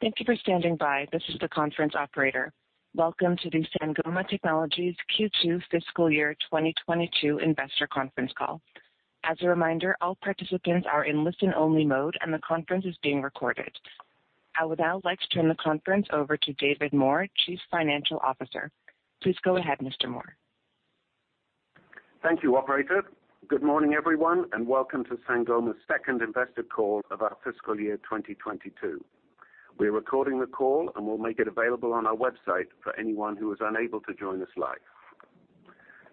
Thank you for standing by. This is the conference operator. Welcome to the Sangoma Technologies Q2 Fiscal Year 2022 investor conference call. Asa reminder, all participants are in listen-only mode, and the conference is being recorded. I would now like to turn the conference over to David Moore, Chief Financial Officer. Please go ahead, Mr. Moore. Thank you, operator. Good morning, everyone, and welcome to Sangoma's second investor call of our fiscal year 2022. We're recording the call, and we'll make it available on our website for anyone who was unable to join us live.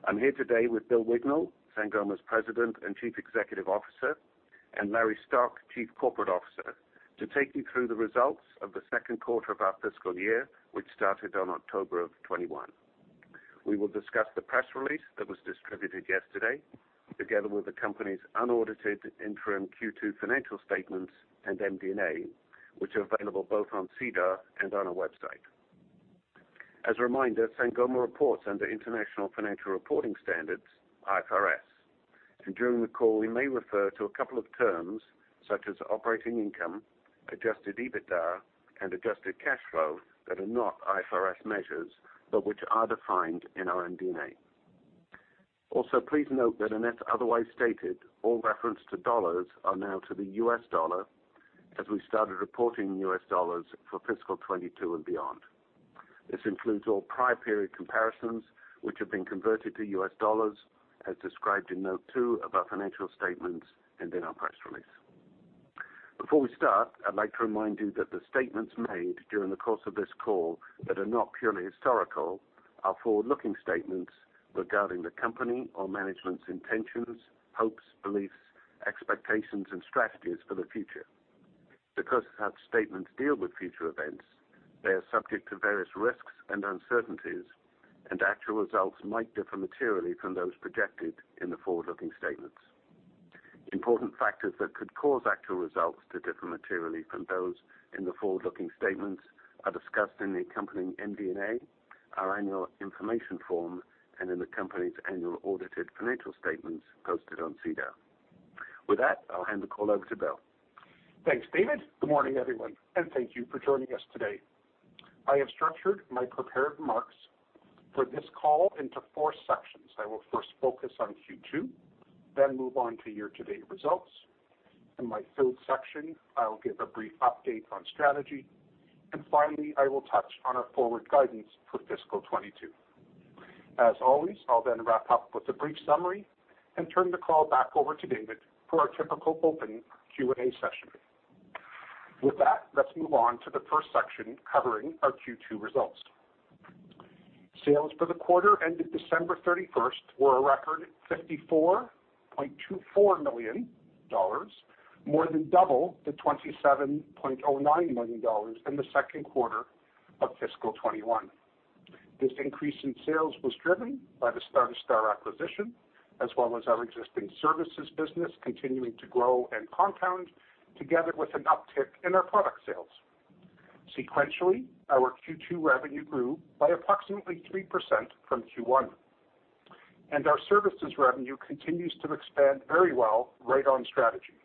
I'm here today with Bill Wignall, Sangoma's President and Chief Executive Officer, and Larry Stock, Chief Financial Officer, to take you through the results of the second quarter of our fiscal year, which started on October 2021. We will discuss the press release that was distributed yesterday, together with the company's unaudited interim Q2 financial statements and MD&A, which are available both on SEDAR and on our website. As a reminder, Sangoma reports under International Financial Reporting Standards, IFRS. During the call, we may refer to a couple of terms such as operating income, adjusted EBITDA, and adjusted cash flow that are not IFRS measures, but which are defined in our MD&A. Also, please note that unless otherwise stated, all reference to dollars are now to the US dollar as we started reporting in US dollars for fiscal 2022 and beyond. This includes all prior period comparisons, which have been converted to US dollars, as described in note two of our financial statements and in our press release. Before we start, I'd like to remind you that the statements made during the course of this call that are not purely historical are forward-looking statements regarding the company or management's intentions, hopes, beliefs, expectations, and strategies for the future. Because such statements deal with future events, they are subject to various risks and uncertainties, and actual results might differ materially from those projected in the forward-looking statements. Important factors that could cause actual results to differ materially from those in the forward-looking statements are discussed in the accompanying MD&A, our annual information form, and in the company's annual audited financial statements posted on SEDAR. With that, I'll hand the call over to Bill. Thanks, David. Good morning, everyone, and thank you for joining us today. I have structured my prepared remarks for this call into four sections. I will first focus on Q2, then move on to year-to-date results. In my third section, I will give a brief update on strategy. Finally, I will touch on our forward guidance for fiscal 2022. As always, I'll then wrap up with a brief summary and turn the call back over to David for our typical open Q&A session. With that, let's move on to the first section covering our Q2 results. Sales for the quarter ended December 31 were a record $54.24 million, more than double the $27.09 million in the second quarter of fiscal 2021. This increase in sales was driven by the Star2Star acquisition, as well as our existing services business continuing to grow and compound together with an uptick in our product sales. Sequentially, our Q2 revenue grew by approximately 3% from Q1, and our services revenue continues to expand very well right on strategy.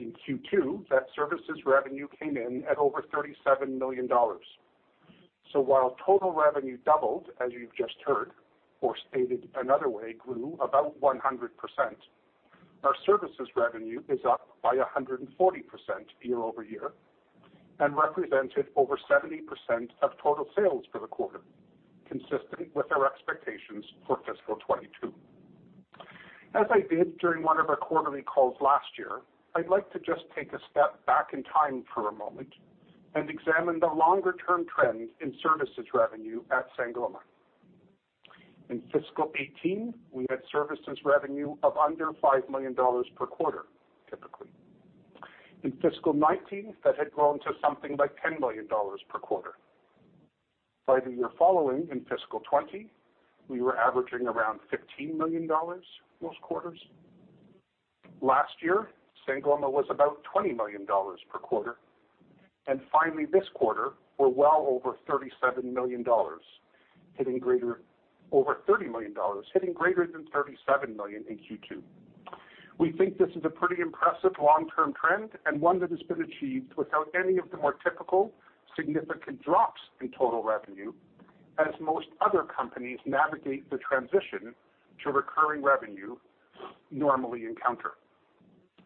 In Q2, that services revenue came in at over $37 million. While total revenue doubled, as you've just heard, or stated another way, grew about 100%, our services revenue is up by 140% year-over-year and represented over 70% of total sales for the quarter, consistent with our expectations for fiscal 2022. I did during one of our quarterly calls last year, I'd like to just take a step back in time for a moment and examine the longer term trend in services revenue at Sangoma. In fiscal 2018, we had services revenue of under $5 million per quarter, typically. In fiscal 2019, that had grown to something like $10 million per quarter. By the year following, in fiscal 2020, we were averaging around $15 million most quarters. Last year, Sangoma was about $20 million per quarter. Finally this quarter, we're well over $37 million, hitting greater than $37 million in Q2. We think this is a pretty impressive long-term trend and one that has been achieved without any of the more typical significant drops in total revenue as most other companies navigate the transition to recurring revenue normally encounter.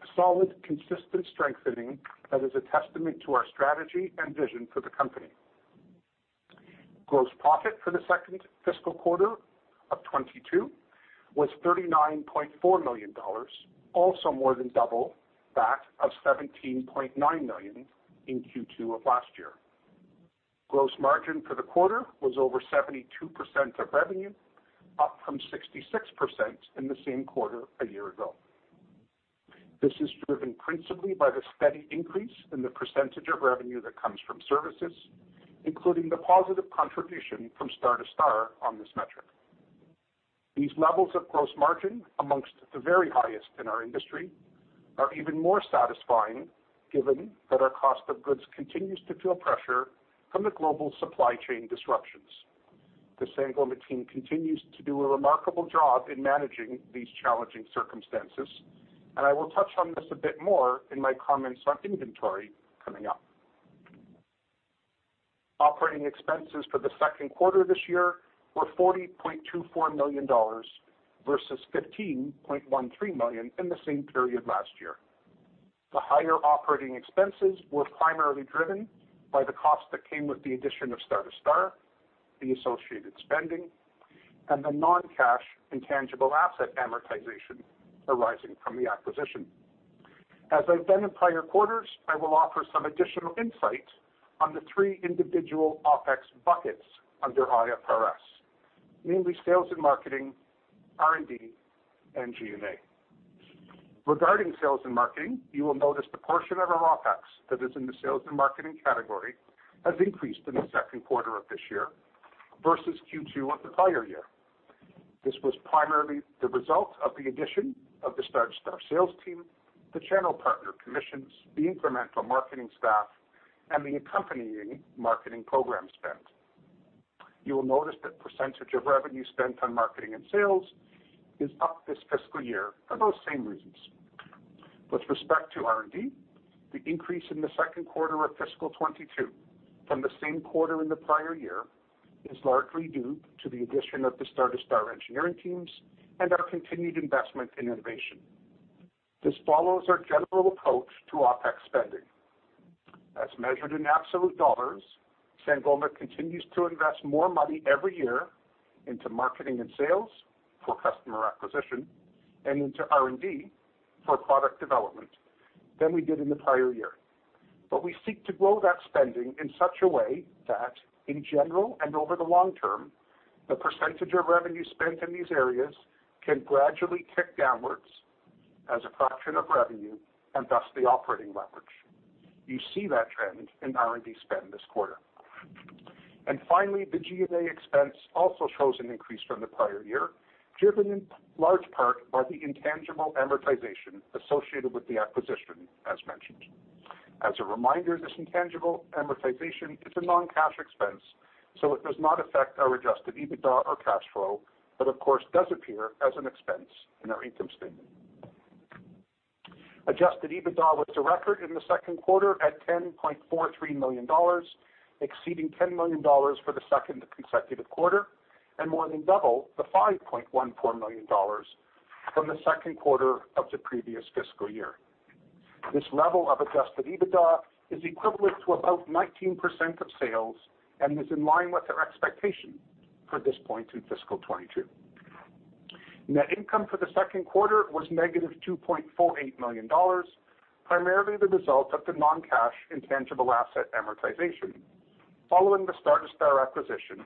A solid, consistent strengthening that is a testament to our strategy and vision for the company. Gross profit for the second fiscal quarter of 2022 was $39.4 million, also more than double that of $17.9 million in Q2 of last year. Gross margin for the quarter was over 72% of revenue, up from 66% in the same quarter a year ago. This is driven principally by the steady increase in the percentage of revenue that comes from services, including the positive contribution from Star2Star on this metric. These levels of gross margin amongst the very highest in our industry are even more satisfying, given that our cost of goods continues to feel pressure from the global supply chain disruptions. The Sangoma team continues to do a remarkable job in managing these challenging circumstances, and I will touch on this a bit more in my comments on inventory coming up. Operating expenses for the second quarter this year were $40.24 million versus $15.13 million in the same period last year. The higher operating expenses were primarily driven by the cost that came with the addition of Star2Star, the associated spending, and the non-cash intangible asset amortization arising from the acquisition. As I've done in prior quarters, I will offer some additional insight on the three individual OpEx buckets under IFRS, namely sales and marketing, R&D, and G&A. Regarding sales and marketing, you will notice the portion of our OpEx that is in the sales and marketing category has increased in the second quarter of this year versus Q2 of the prior year. This was primarily the result of the addition of the Star2Star sales team, the channel partner commissions, the incremental marketing staff, and the accompanying marketing program spend. You will notice that percentage of revenue spent on marketing and sales is up this fiscal year for those same reasons. With respect to R&D, the increase in the second quarter of fiscal 2022 from the same quarter in the prior year is largely due to the addition of the Star2Star engineering teams and our continued investment in innovation. This follows our general approach to OpEx spending. As measured in absolute dollars, Sangoma continues to invest more money every year into marketing and sales for customer acquisition and into R&D for product development than we did in the prior year. We seek to grow that spending in such a way that, in general and over the long term, the percentage of revenue spent in these areas can gradually tick downwards as a fraction of revenue and thus the operating leverage. You see that trend in R&D spend this quarter. Finally, the G&A expense also shows an increase from the prior year, driven in large part by the intangible amortization associated with the acquisition, as mentioned. As a reminder, this intangible amortization is a non-cash expense, so it does not affect our adjusted EBITDA or cash flow, but of course, does appear as an expense in our income statement. Adjusted EBITDA was a record in the second quarter at $10.43 million, exceeding $10 million for the second consecutive quarter, and more than double the $5.14 million from the second quarter of the previous fiscal year. This level of adjusted EBITDA is equivalent to about 19% of sales and is in line with our expectation for this point in fiscal 2022. Net income for the second quarter was -$2.48 million, primarily the result of the non-cash intangible asset amortization following the Star2Star acquisition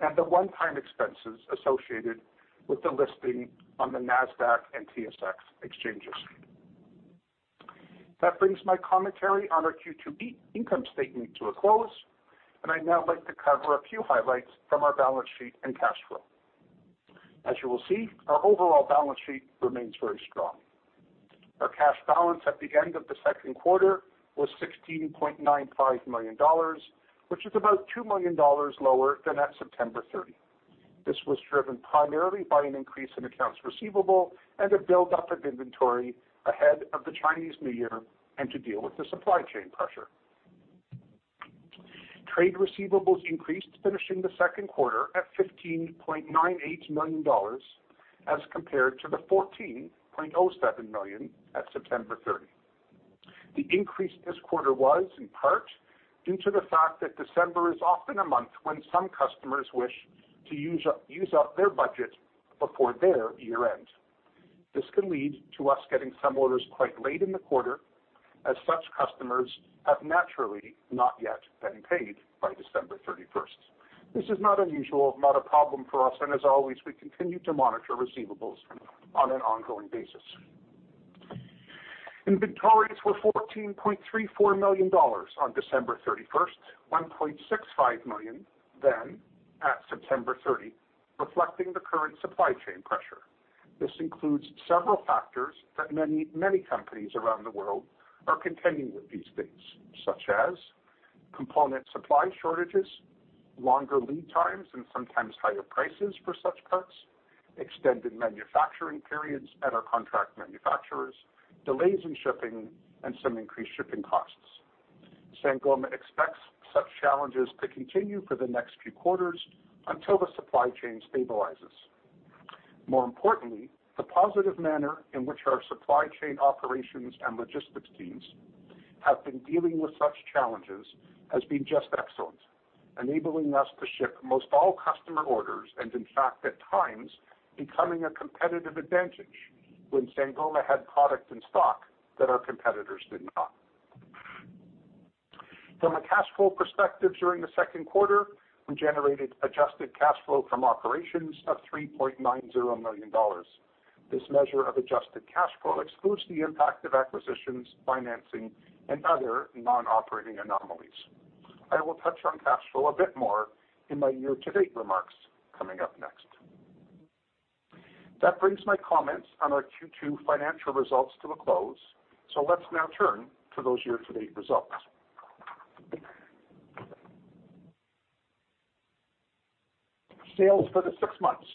and the one-time expenses associated with the listing on the Nasdaq and TSX exchanges. That brings my commentary on our Q2B income statement to a close, and I'd now like to cover a few highlights from our balance sheet and cash flow. As you will see, our overall balance sheet remains very strong. Our cash balance at the end of the second quarter was $16.95 million, which is about $2 million lower than at September 30. This was driven primarily by an increase in accounts receivable and a buildup of inventory ahead of the Chinese New Year and to deal with the supply chain pressure. Trade receivables increased, finishing the second quarter at $15.98 million as compared to the $14.07 million at September 30. The increase this quarter was in part due to the fact that December is often a month when some customers wish to use up their budget before their year-end. This can lead to us getting some orders quite late in the quarter, as such customers have naturally not yet been paid by December 31. This is not unusual, not a problem for us, and as always, we continue to monitor receivables on an ongoing basis. Inventories were $14.34 million on December 31, $1.65 million then at September 30, reflecting the current supply chain pressure. This includes several factors that many, many companies around the world are contending with these days, such as component supply shortages, longer lead times and sometimes higher prices for such parts, extended manufacturing periods at our contract manufacturers, delays in shipping, and some increased shipping costs. Sangoma expects such challenges to continue for the next few quarters until the supply chain stabilizes. More importantly, the positive manner in which our supply chain operations and logistics teams have been dealing with such challenges has been just excellent, enabling us to ship most all customer orders, and in fact at times becoming a competitive advantage when Sangoma had product in stock that our competitors did not. From a cash flow perspective during the second quarter, we generated adjusted cash flow from operations of $3.90 million. This measure of adjusted cash flow excludes the impact of acquisitions, financing, and other non-operating anomalies. I will touch on cash flow a bit more in my year-to-date remarks coming up next. That brings my comments on our Q2 financial results to a close. Let's now turn to those year-to-date results. Sales for the six months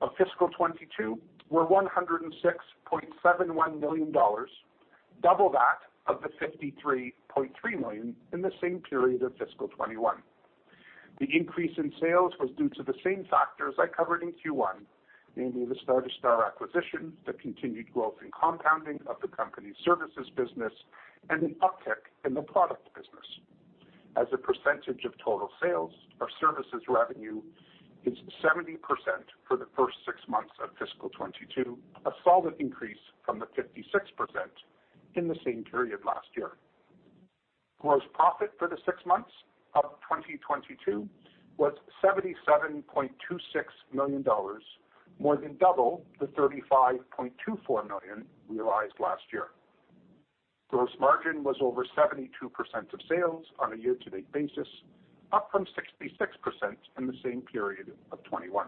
of fiscal 2022 were $106.71 million, double that of the $53.3 million in the same period of fiscal 2021. The increase in sales was due to the same factors I covered in Q1, namely the Star2Star acquisition, the continued growth and compounding of the company's services business, and an uptick in the product business. As a percentage of total sales, our services revenue is 70% for the first six months of fiscal 2022, a solid increase from the 56% in the same period last year. Gross profit for the six months of 2022 was $77.26 million, more than double the $35.24 million realized last year. Gross margin was over 72% of sales on a year-to-date basis, up from 66% in the same period of 2021.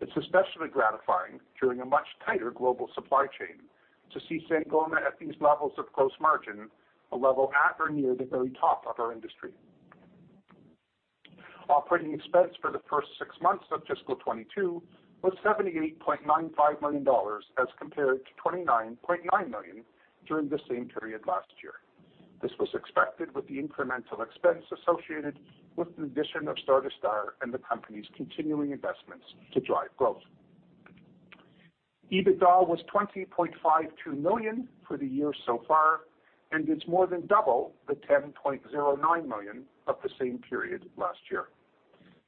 It's especially gratifying during a much tighter global supply chain to see Sangoma at these levels of gross margin, a level at or near the very top of our industry. Operating expense for the first six months of fiscal 2022 was $78.95 million, as compared to $29.9 million during the same period last year. This was expected with the incremental expense associated with the addition of Star2Star and the company's continuing investments to drive growth. EBITDA was $20.52 million for the year so far, and it's more than double the $10.09 million of the same period last year.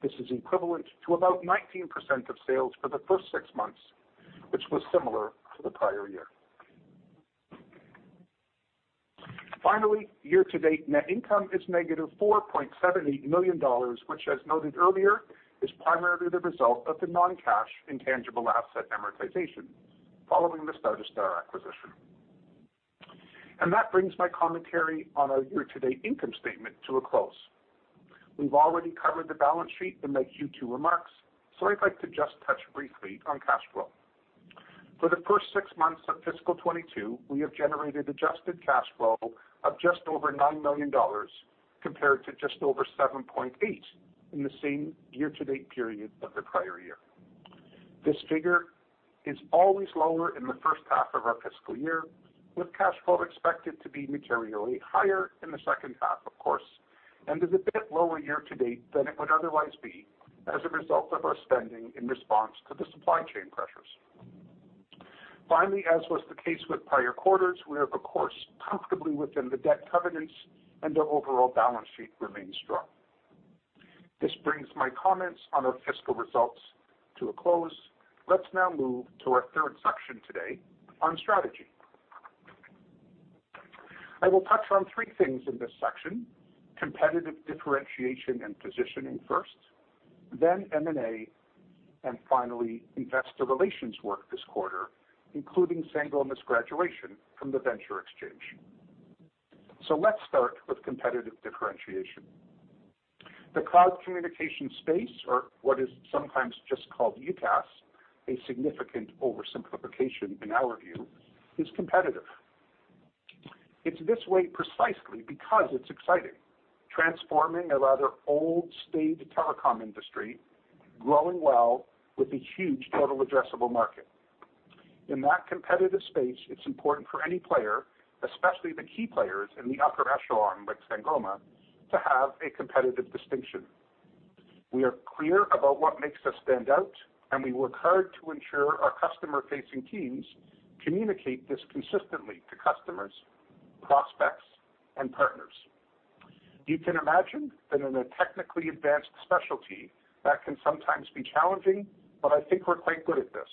This is equivalent to about 19% of sales for the first six months, which was similar to the prior year. Finally, year-to-date net income is -$4.78 million, which, as noted earlier, is primarily the result of the non-cash intangible asset amortization following the Star2Star acquisition. That brings my commentary on our year-to-date income statement to a close. We've already covered the balance sheet in my Q2 remarks, so I'd like to just touch briefly on cash flow. For the first six months of fiscal 2022, we have generated adjusted cash flow of just over $9 million, compared to just over $7.8 million in the same year-to-date period of the prior year. This figure is always lower in the first half of our fiscal year, with cash flow expected to be materially higher in the second half, of course, and is a bit lower year-to-date than it would otherwise be as a result of our spending in response to the supply chain pressures. Finally, as was the case with prior quarters, we are, of course, comfortably within the debt covenants and our overall balance sheet remains strong. This brings my comments on our fiscal results to a close. Let's now move to our third section today on strategy. I will touch on three things in this section, competitive differentiation and positioning first, then M&A, and finally, investor relations work this quarter, including Sangoma's graduation from the Venture Exchange. Let's start with competitive differentiation. The cloud communication space, or what is sometimes just called UCaaS, a significant oversimplification in our view, is competitive. It's this way precisely because it's exciting, transforming a rather old staid telecom industry, growing well with a huge total addressable market. In that competitive space, it's important for any player, especially the key players in the upper echelon like Sangoma, to have a competitive distinction. We are clear about what makes us stand out, and we work hard to ensure our customer-facing teams communicate this consistently to customers, prospects, and partners. You can imagine that in a technically advanced specialty, that can sometimes be challenging, but I think we're quite good at this.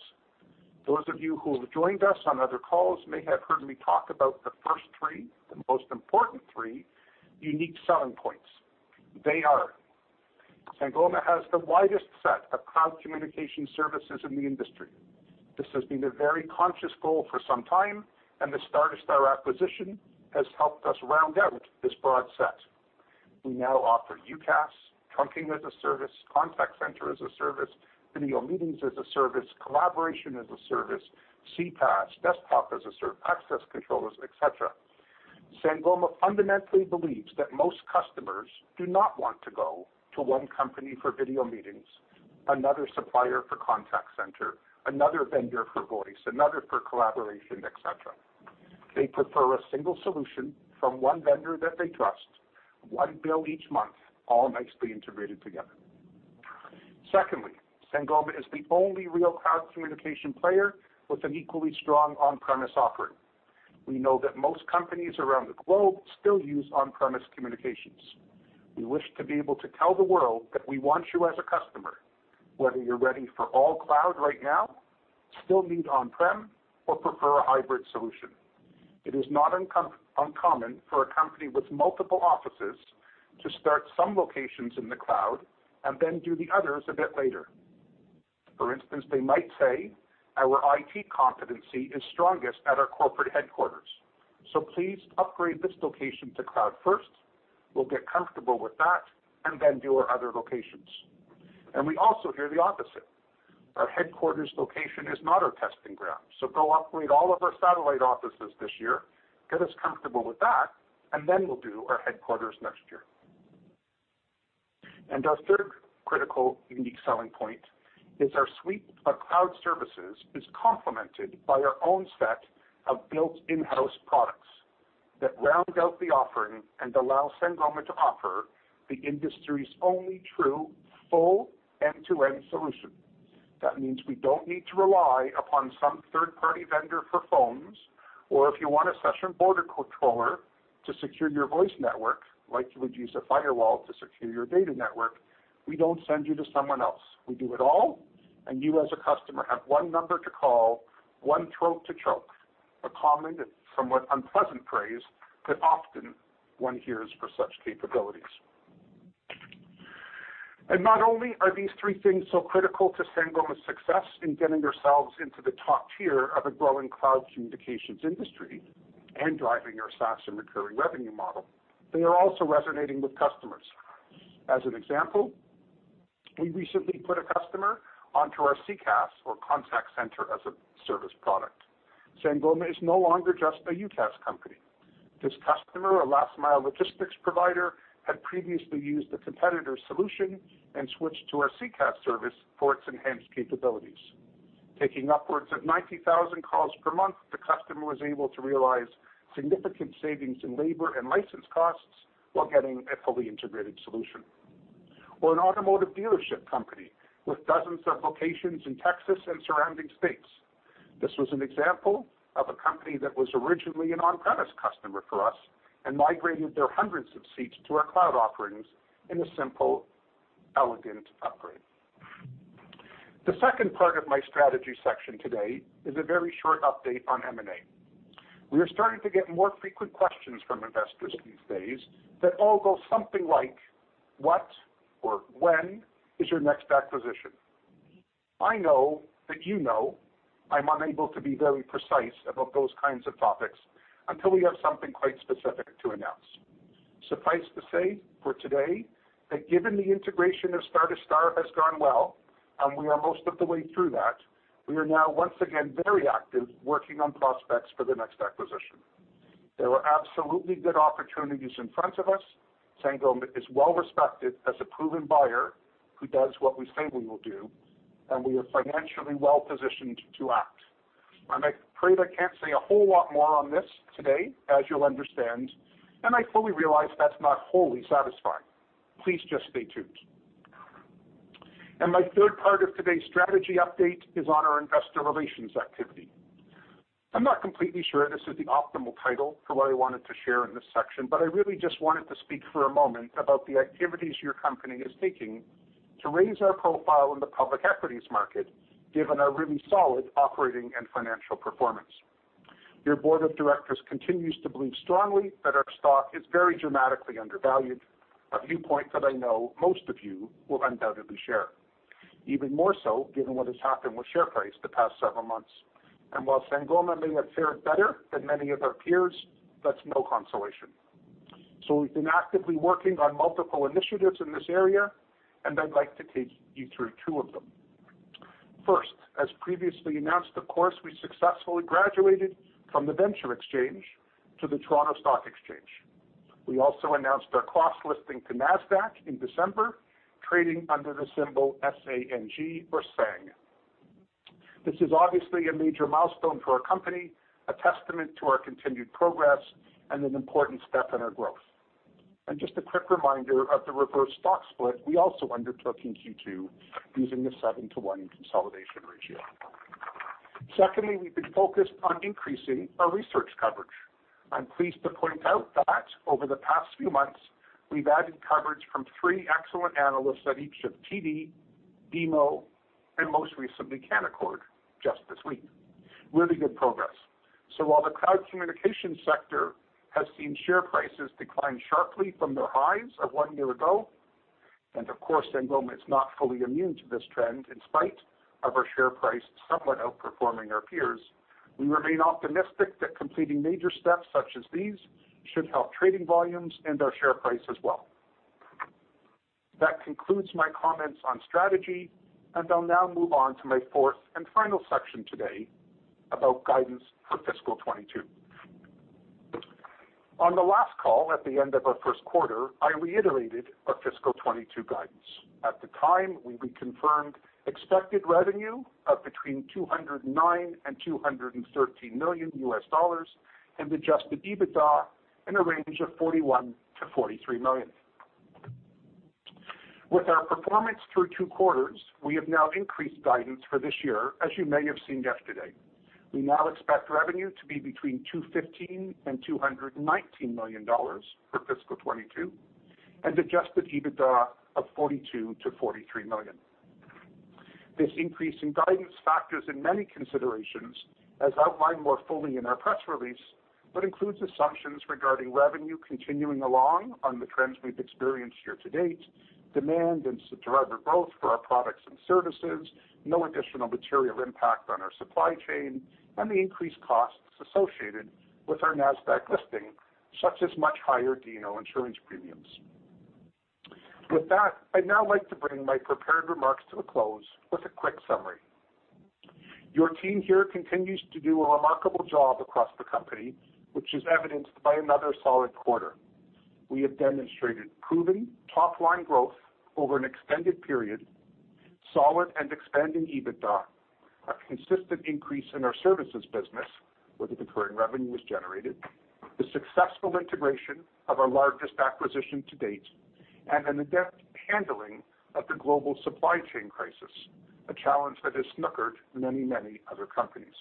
Those of you who have joined us on other calls may have heard me talk about the first three, the most important three, unique selling points. They are Sangoma has the widest set of cloud communication services in the industry. This has been a very conscious goal for some time, and the Star2Star acquisition has helped us round out this broad set. We now offer UCaaS, trunking as a service, contact center as a service, video meetings as a service, collaboration as a service, CPaaS, desktop as a service, access controllers, et cetera. Sangoma fundamentally believes that most customers do not want to go to one company for video meetings, another supplier for contact center, another vendor for voice, another for collaboration, et cetera. They prefer a single solution from one vendor that they trust, one bill each month, all nicely integrated together. Secondly, Sangoma is the only real cloud communication player with an equally strong on-premise offering. We know that most companies around the globe still use on-premise communications. We wish to be able to tell the world that we want you as a customer, whether you're ready for all cloud right now, still need on-prem, or prefer a hybrid solution. It is not uncommon for a company with multiple offices to start some locations in the cloud and then do the others a bit later. For instance, they might say, "Our IT competency is strongest at our corporate headquarters. So please upgrade this location to cloud first. We'll get comfortable with that and then do our other locations." We also hear the opposite. Our headquarters location is not our testing ground, so go upgrade all of our satellite offices this year, get us comfortable with that, and then we'll do our headquarters next year. Our third critical unique selling point is our suite of cloud services is complemented by our own set of built in-house products that round out the offering and allow Sangoma to offer the industry's only true full end-to-end solution. That means we don't need to rely upon some third-party vendor for phones. Or if you want a session border controller to secure your voice network, like you would use a firewall to secure your data network, we don't send you to someone else. We do it all, and you, as a customer, have one number to call, one throat to choke. A comment that's somewhat unpleasant praise that often one hears for such capabilities. Not only are these three things so critical to Sangoma's success in getting ourselves into the top tier of a growing cloud communications industry and driving our SaaS and recurring revenue model, they are also resonating with customers. As an example, we recently put a customer onto our CCaaS or contact center as a service product. Sangoma is no longer just a UCaaS company. This customer, a last-mile logistics provider, had previously used a competitor's solution and switched to our CCaaS service for its enhanced capabilities. Taking upwards of 90,000 calls per month, the customer was able to realize significant savings in labor and license costs while getting a fully integrated solution. An automotive dealership company with dozens of locations in Texas and surrounding states. This was an example of a company that was originally an on-premise customer for us and migrated their hundreds of seats to our cloud offerings in a simple, elegant upgrade. The second part of my strategy section today is a very short update on M&A. We are starting to get more frequent questions from investors these days that all go something like, "What or when is your next acquisition?" I know that you know I'm unable to be very precise about those kinds of topics until we have something quite specific to announce. Suffice to say, for today, that given the integration of Star2Star has gone well, and we are most of the way through that, we are now once again very active, working on prospects for the next acquisition. There are absolutely good opportunities in front of us. Sangoma is well-respected as a proven buyer who does what we say we will do, and we are financially well-positioned to act. I'm afraid I can't say a whole lot more on this today, as you'll understand, and I fully realize that's not wholly satisfying. Please just stay tuned. My third part of today's strategy update is on our investor relations activity. I'm not completely sure this is the optimal title for what I wanted to share in this section, but I really just wanted to speak for a moment about the activities your company is taking to raise our profile in the public equities market, given our really solid operating and financial performance. Your board of directors continues to believe strongly that our stock is very dramatically undervalued, a viewpoint that I know most of you will undoubtedly share, even more so given what has happened with share price the past several months. While Sangoma may have fared better than many of our peers, that's no consolation. We've been actively working on multiple initiatives in this area, and I'd like to take you through two of them. First, as previously announced, of course, we successfully graduated from the Venture Exchange to the Toronto Stock Exchange. We also announced our cross-listing to Nasdaq in December, trading under the symbol SANG or Sang. This is obviously a major milestone for our company, a testament to our continued progress, and an important step in our growth. Just a quick reminder of the reverse stock split we also undertook in Q2 using the seven-to-one consolidation ratio. Secondly, we've been focused on increasing our research coverage. I'm pleased to point out that over the past few months, we've added coverage from three excellent analysts at each of TD, BMO, and most recently, Canaccord, just this week. Really good progress. While the cloud communication sector has seen share prices decline sharply from their highs of one year ago, and of course, Sangoma is not fully immune to this trend, in spite of our share price somewhat outperforming our peers, we remain optimistic that completing major steps such as these should help trading volumes and our share price as well. That concludes my comments on strategy, and I'll now move on to my fourth and final section today about guidance for fiscal 2022. On the last call at the end of our first quarter, I reiterated our fiscal 2022 guidance. At the time, we reconfirmed expected revenue of between $209 million and $213 million and adjusted EBITDA in a range of $41-43 million. With our performance through two quarters, we have now increased guidance for this year, as you may have seen yesterday. We now expect revenue to be between $215 million and $219 million for fiscal 2022 and adjusted EBITDA of $42-43 million. This increase in guidance factors in many considerations, as outlined more fully in our press release, but includes assumptions regarding revenue continuing along on the trends we've experienced year-to-date, demand and driver growth for our products and services, no additional material impact on our supply chain, and the increased costs associated with our Nasdaq listing, such as much higher D&O insurance premiums. With that, I'd now like to bring my prepared remarks to a close with a quick summary. Your team here continues to do a remarkable job across the company, which is evidenced by another solid quarter. We have demonstrated proven top-line growth over an extended period, solid and expanding EBITDA, a consistent increase in our services business where the recurring revenue was generated, the successful integration of our largest acquisition to date, and an adept handling of the global supply chain crisis, a challenge that has snookered many, many other companies.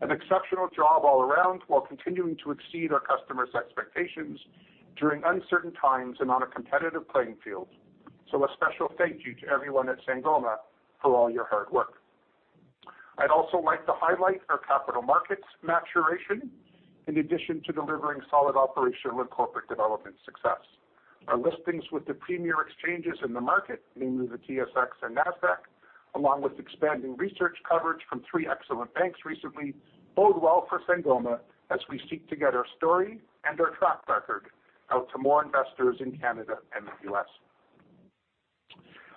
An exceptional job all around while continuing to exceed our customers' expectations during uncertain times and on a competitive playing field. A special thank you to everyone at Sangoma for all your hard work. I'd also like to highlight our capital markets maturation in addition to delivering solid operational and corporate development success. Our listings with the premier exchanges in the market, namely the TSX and Nasdaq, along with expanding research coverage from three excellent banks recently, bode well for Sangoma as we seek to get our story and our track record out to more investors in Canada and the U.S.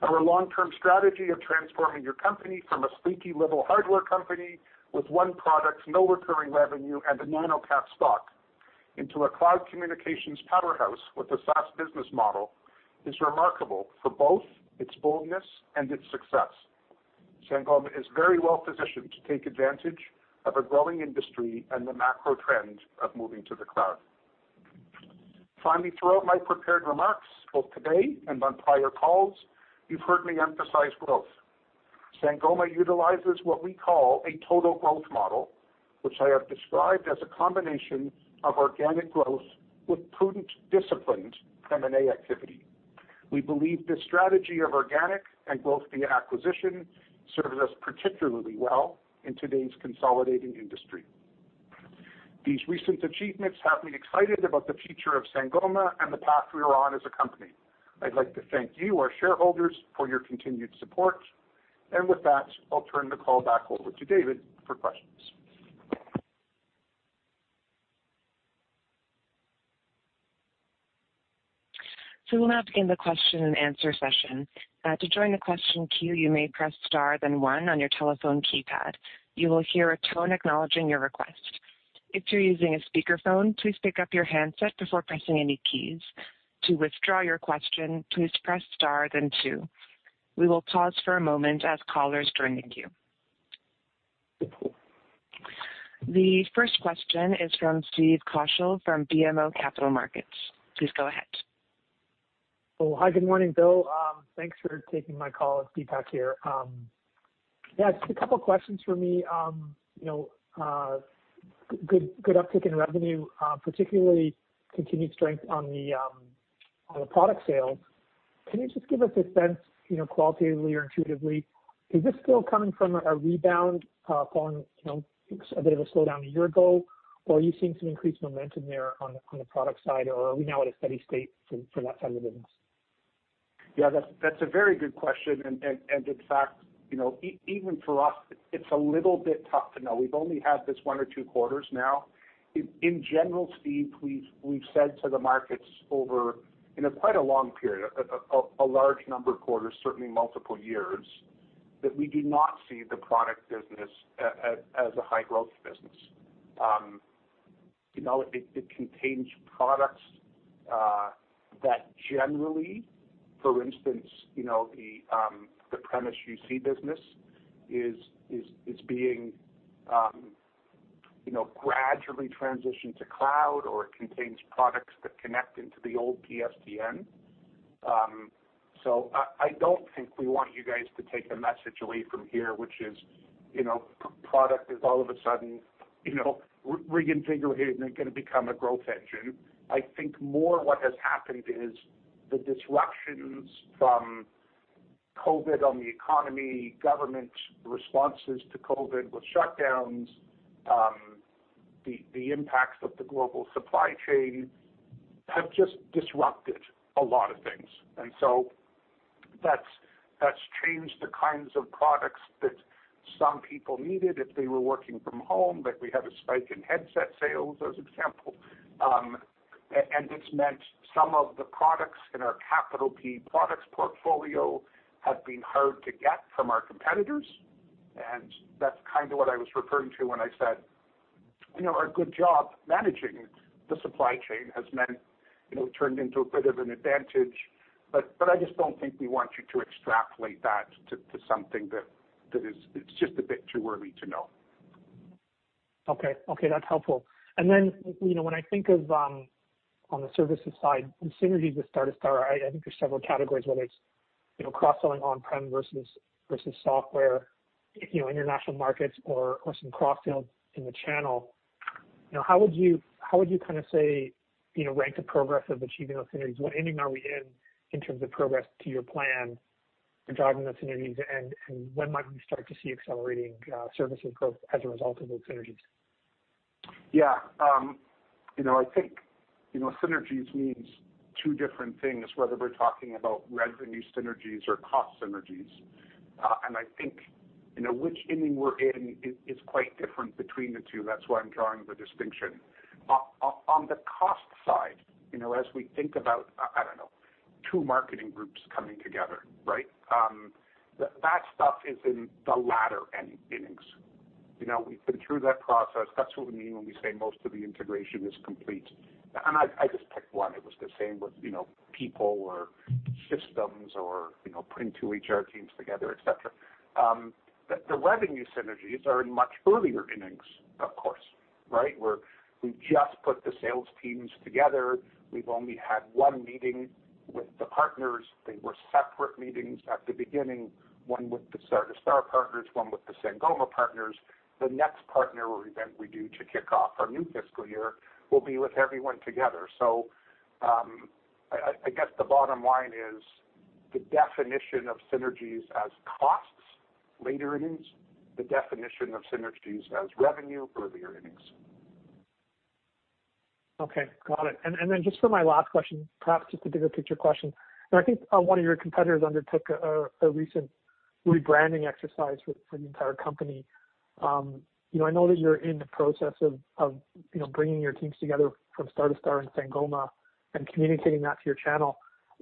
Our long-term strategy of transforming your company from a sleepy little hardware company with one product, no recurring revenue, and a nano cap stock into a cloud communications powerhouse with a SaaS business model is remarkable for both its boldness and its success. Sangoma is very well-positioned to take advantage of a growing industry and the macro trend of moving to the cloud. Finally, throughout my prepared remarks, both today and on prior calls, you've heard me emphasize growth. Sangoma utilizes what we call a total growth model, which I have described as a combination of organic growth with prudent, disciplined M&A activity. We believe this strategy of organic and growth via acquisition serves us particularly well in today's consolidating industry. These recent achievements have me excited about the future of Sangoma and the path we are on as a company. I'd like to thank you, our shareholders, for your continued support. With that, I'll turn the call back over to David for questions. We'll now begin the question-and-answer session. To join the question queue, you may press star then one on your telephone keypad. You will hear a tone acknowledging your request. If you're using a speakerphone, please pick up your handset before pressing any keys. To withdraw your question, please press star then two. We will pause for a moment as callers join the queue. The first question is from Deepak Kaushal from BMO Capital Markets. Please go ahead. Oh, hi, good morning, Bill. Thanks for taking my call. It's Deepak here. Yeah, just a couple of questions for me. You know, good uptick in revenue, particularly continued strength on the product sales. Can you just give us a sense, you know, qualitatively or intuitively, is this still coming from a rebound following a bit of a slowdown a year ago, or are you seeing some increased momentum there on the product side, or are we now at a steady state for that side of the business? Yeah, that's a very good question. In fact, you know, even for us, it's a little bit tough to know. We've only had this one or two quarters now. In general, Deepak, we've said to the markets over, you know, quite a long period, a large number of quarters, certainly multiple years, that we do not see the product business as a high-growth business. You know, it contains products that generally, for instance, you know, the premise UC business is being gradually transitioned to cloud or it contains products that connect into the old PSTN. I don't think we want you guys to take the message away from here, which is, you know, product is all of a sudden, you know, reconfiguring and gonna become a growth engine. I think more what has happened is the disruptions from COVID on the economy, government responses to COVID with shutdowns, the impacts of the global supply chain have just disrupted a lot of things. That's changed the kinds of products that some people needed if they were working from home, like we had a spike in headset sales as example. It's meant some of the products in our capital P products portfolio have been hard to get from our competitors, and that's kinda what I was referring to when I said, you know, our good job managing the supply chain has meant, you know, turned into a bit of an advantage. I just don't think we want you to extrapolate that to something that is. It's just a bit too early to know. Okay. Okay, that's helpful. You know, when I think of on the services side, the synergies with Star2Star, I think there's several categories, whether it's you know, cross-selling on-prem versus software, you know, international markets or some cross-sells in the channel. You know, how would you kinda say you know, rank the progress of achieving those synergies? What inning are we in in terms of progress to your plan for driving those synergies? And when might we start to see accelerating services growth as a result of those synergies? Yeah. You know, I think, you know, synergies means two different things, whether we're talking about revenue synergies or cost synergies. I think, you know, which inning we're in is quite different between the two. That's why I'm drawing the distinction. On the cost side, you know, as we think about, I don't know, two marketing groups coming together, right? That stuff is in the latter innings. You know, we've been through that process. That's what we mean when we say most of the integration is complete. I just picked one. It was the same with, you know, people or systems or, you know, putting two HR teams together, et cetera. The revenue synergies are in much earlier innings, of course, right? We just put the sales teams together. We've only had one meeting with the partners. They were separate meetings at the beginning, one with the Star2Star partners, one with the Sangoma partners. The next partner event we do to kick off our new fiscal year will be with everyone together. I guess the bottom line is the definition of synergies as costs, later innings. The definition of synergies as revenue, earlier innings. Okay, got it. Then just for my last question, perhaps just a bigger picture question. I think one of your competitors undertook a recent rebranding exercise with for the entire company. You know, I know that you're in the process of, you know, bringing your teams together from Star2Star and Sangoma and communicating that to your channel.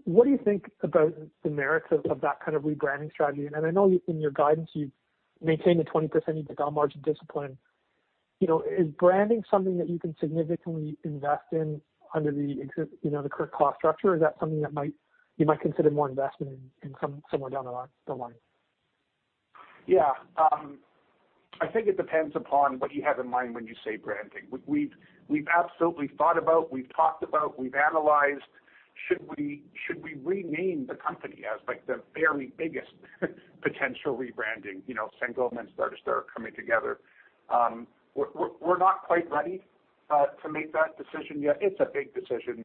What do you think about the merits of that kind of rebranding strategy? I know in your guidance, you maintain the 20% EBITDA margin discipline. You know, is branding something that you can significantly invest in under, you know, the current cost structure? Is that something that you might consider more investment in somewhere down the line? Yeah. I think it depends upon what you have in mind when you say branding. We've absolutely thought about, we've talked about, we've analyzed should we rename the company as, like, the very biggest potential rebranding, you know, Sangoma and Star2Star coming together. We're not quite ready to make that decision yet. It's a big decision.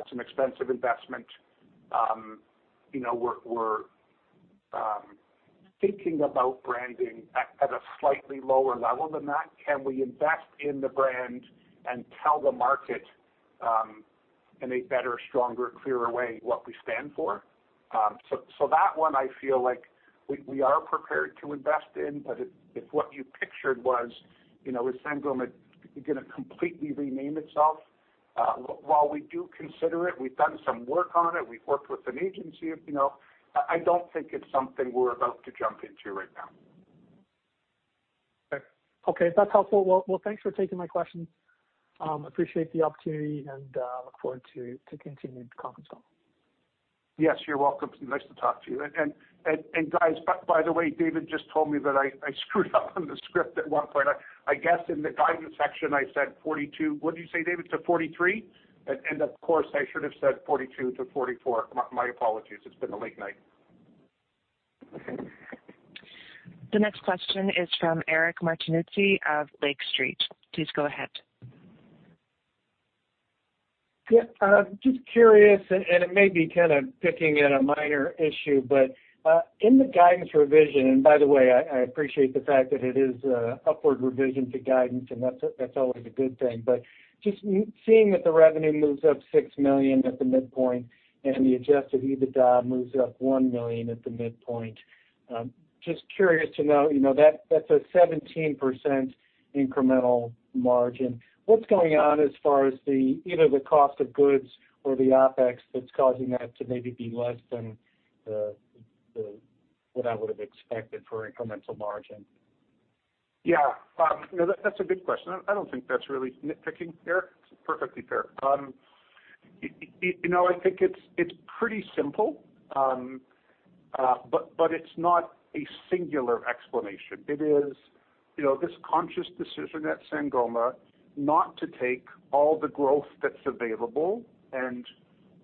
It's an expensive investment. You know, we're thinking about branding at a slightly lower level than that. Can we invest in the brand and tell the market in a better, stronger, clearer way what we stand for? That one I feel like we are prepared to invest in. If what you pictured was, you know, is Sangoma gonna completely rename itself? While we do consider it, we've done some work on it, we've worked with an agency, you know, I don't think it's something we're about to jump into right now. Okay. That's helpful. Well, thanks for taking my questions. Appreciate the opportunity, and look forward to continued conference calls. Yes, you're welcome. It's nice to talk to you. Guys, by the way, David just told me that I screwed up on the script at one point. I guess in the guidance section I said 42. What did you say, David, to 43? Of course, I should have said 42 to 44. My apologies. It's been a late night. Okay. The next question is from Eric Martinuzzi of Lake Street. Please go ahead. Just curious, and it may be kind of picking at a minor issue, but in the guidance revision, and by the way, I appreciate the fact that it is an upward revision to guidance, and that's always a good thing. Just seeing that the revenue moves up $6 million at the midpoint and the adjusted EBITDA moves up $1 million at the midpoint, just curious to know, you know, that's a 17% incremental margin. What's going on as far as either the cost of goods or the OpEx that's causing that to maybe be less than the what I would have expected for incremental margin? Yeah. No, that's a good question. I don't think that's really nitpicking, Eric. It's perfectly fair. You know, I think it's pretty simple. But it's not a singular explanation. It is, you know, this conscious decision at Sangoma not to take all the growth that's available and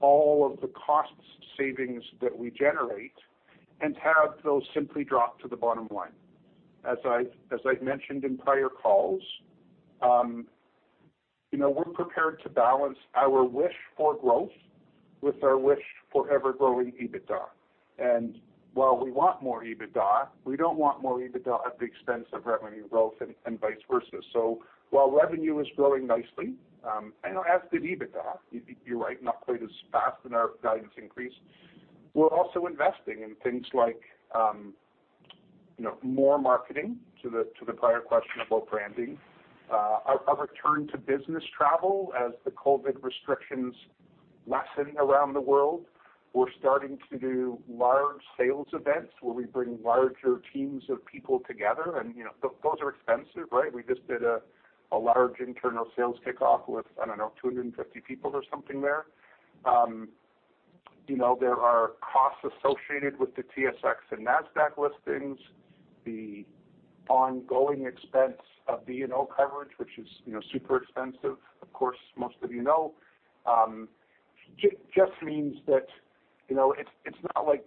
all of the cost savings that we generate and have those simply drop to the bottom line. As I've mentioned in prior calls, you know, we're prepared to balance our wish for growth with our wish for ever-growing EBITDA. While we want more EBITDA, we don't want more EBITDA at the expense of revenue growth and vice versa. While revenue is growing nicely, you know, as did EBITDA, you're right, not quite as fast in our guidance increase. We're also investing in things like more marketing to the prior question about branding and our return to business travel as the COVID restrictions lessen around the world. We're starting to do large sales events where we bring larger teams of people together and those are expensive, right? We just did a large internal sales kickoff with, I don't know, 250 people or something there. There are costs associated with the TSX and Nasdaq listings. The ongoing expense of D&O coverage, which is super expensive, of course, most of you know. Just means that it's not like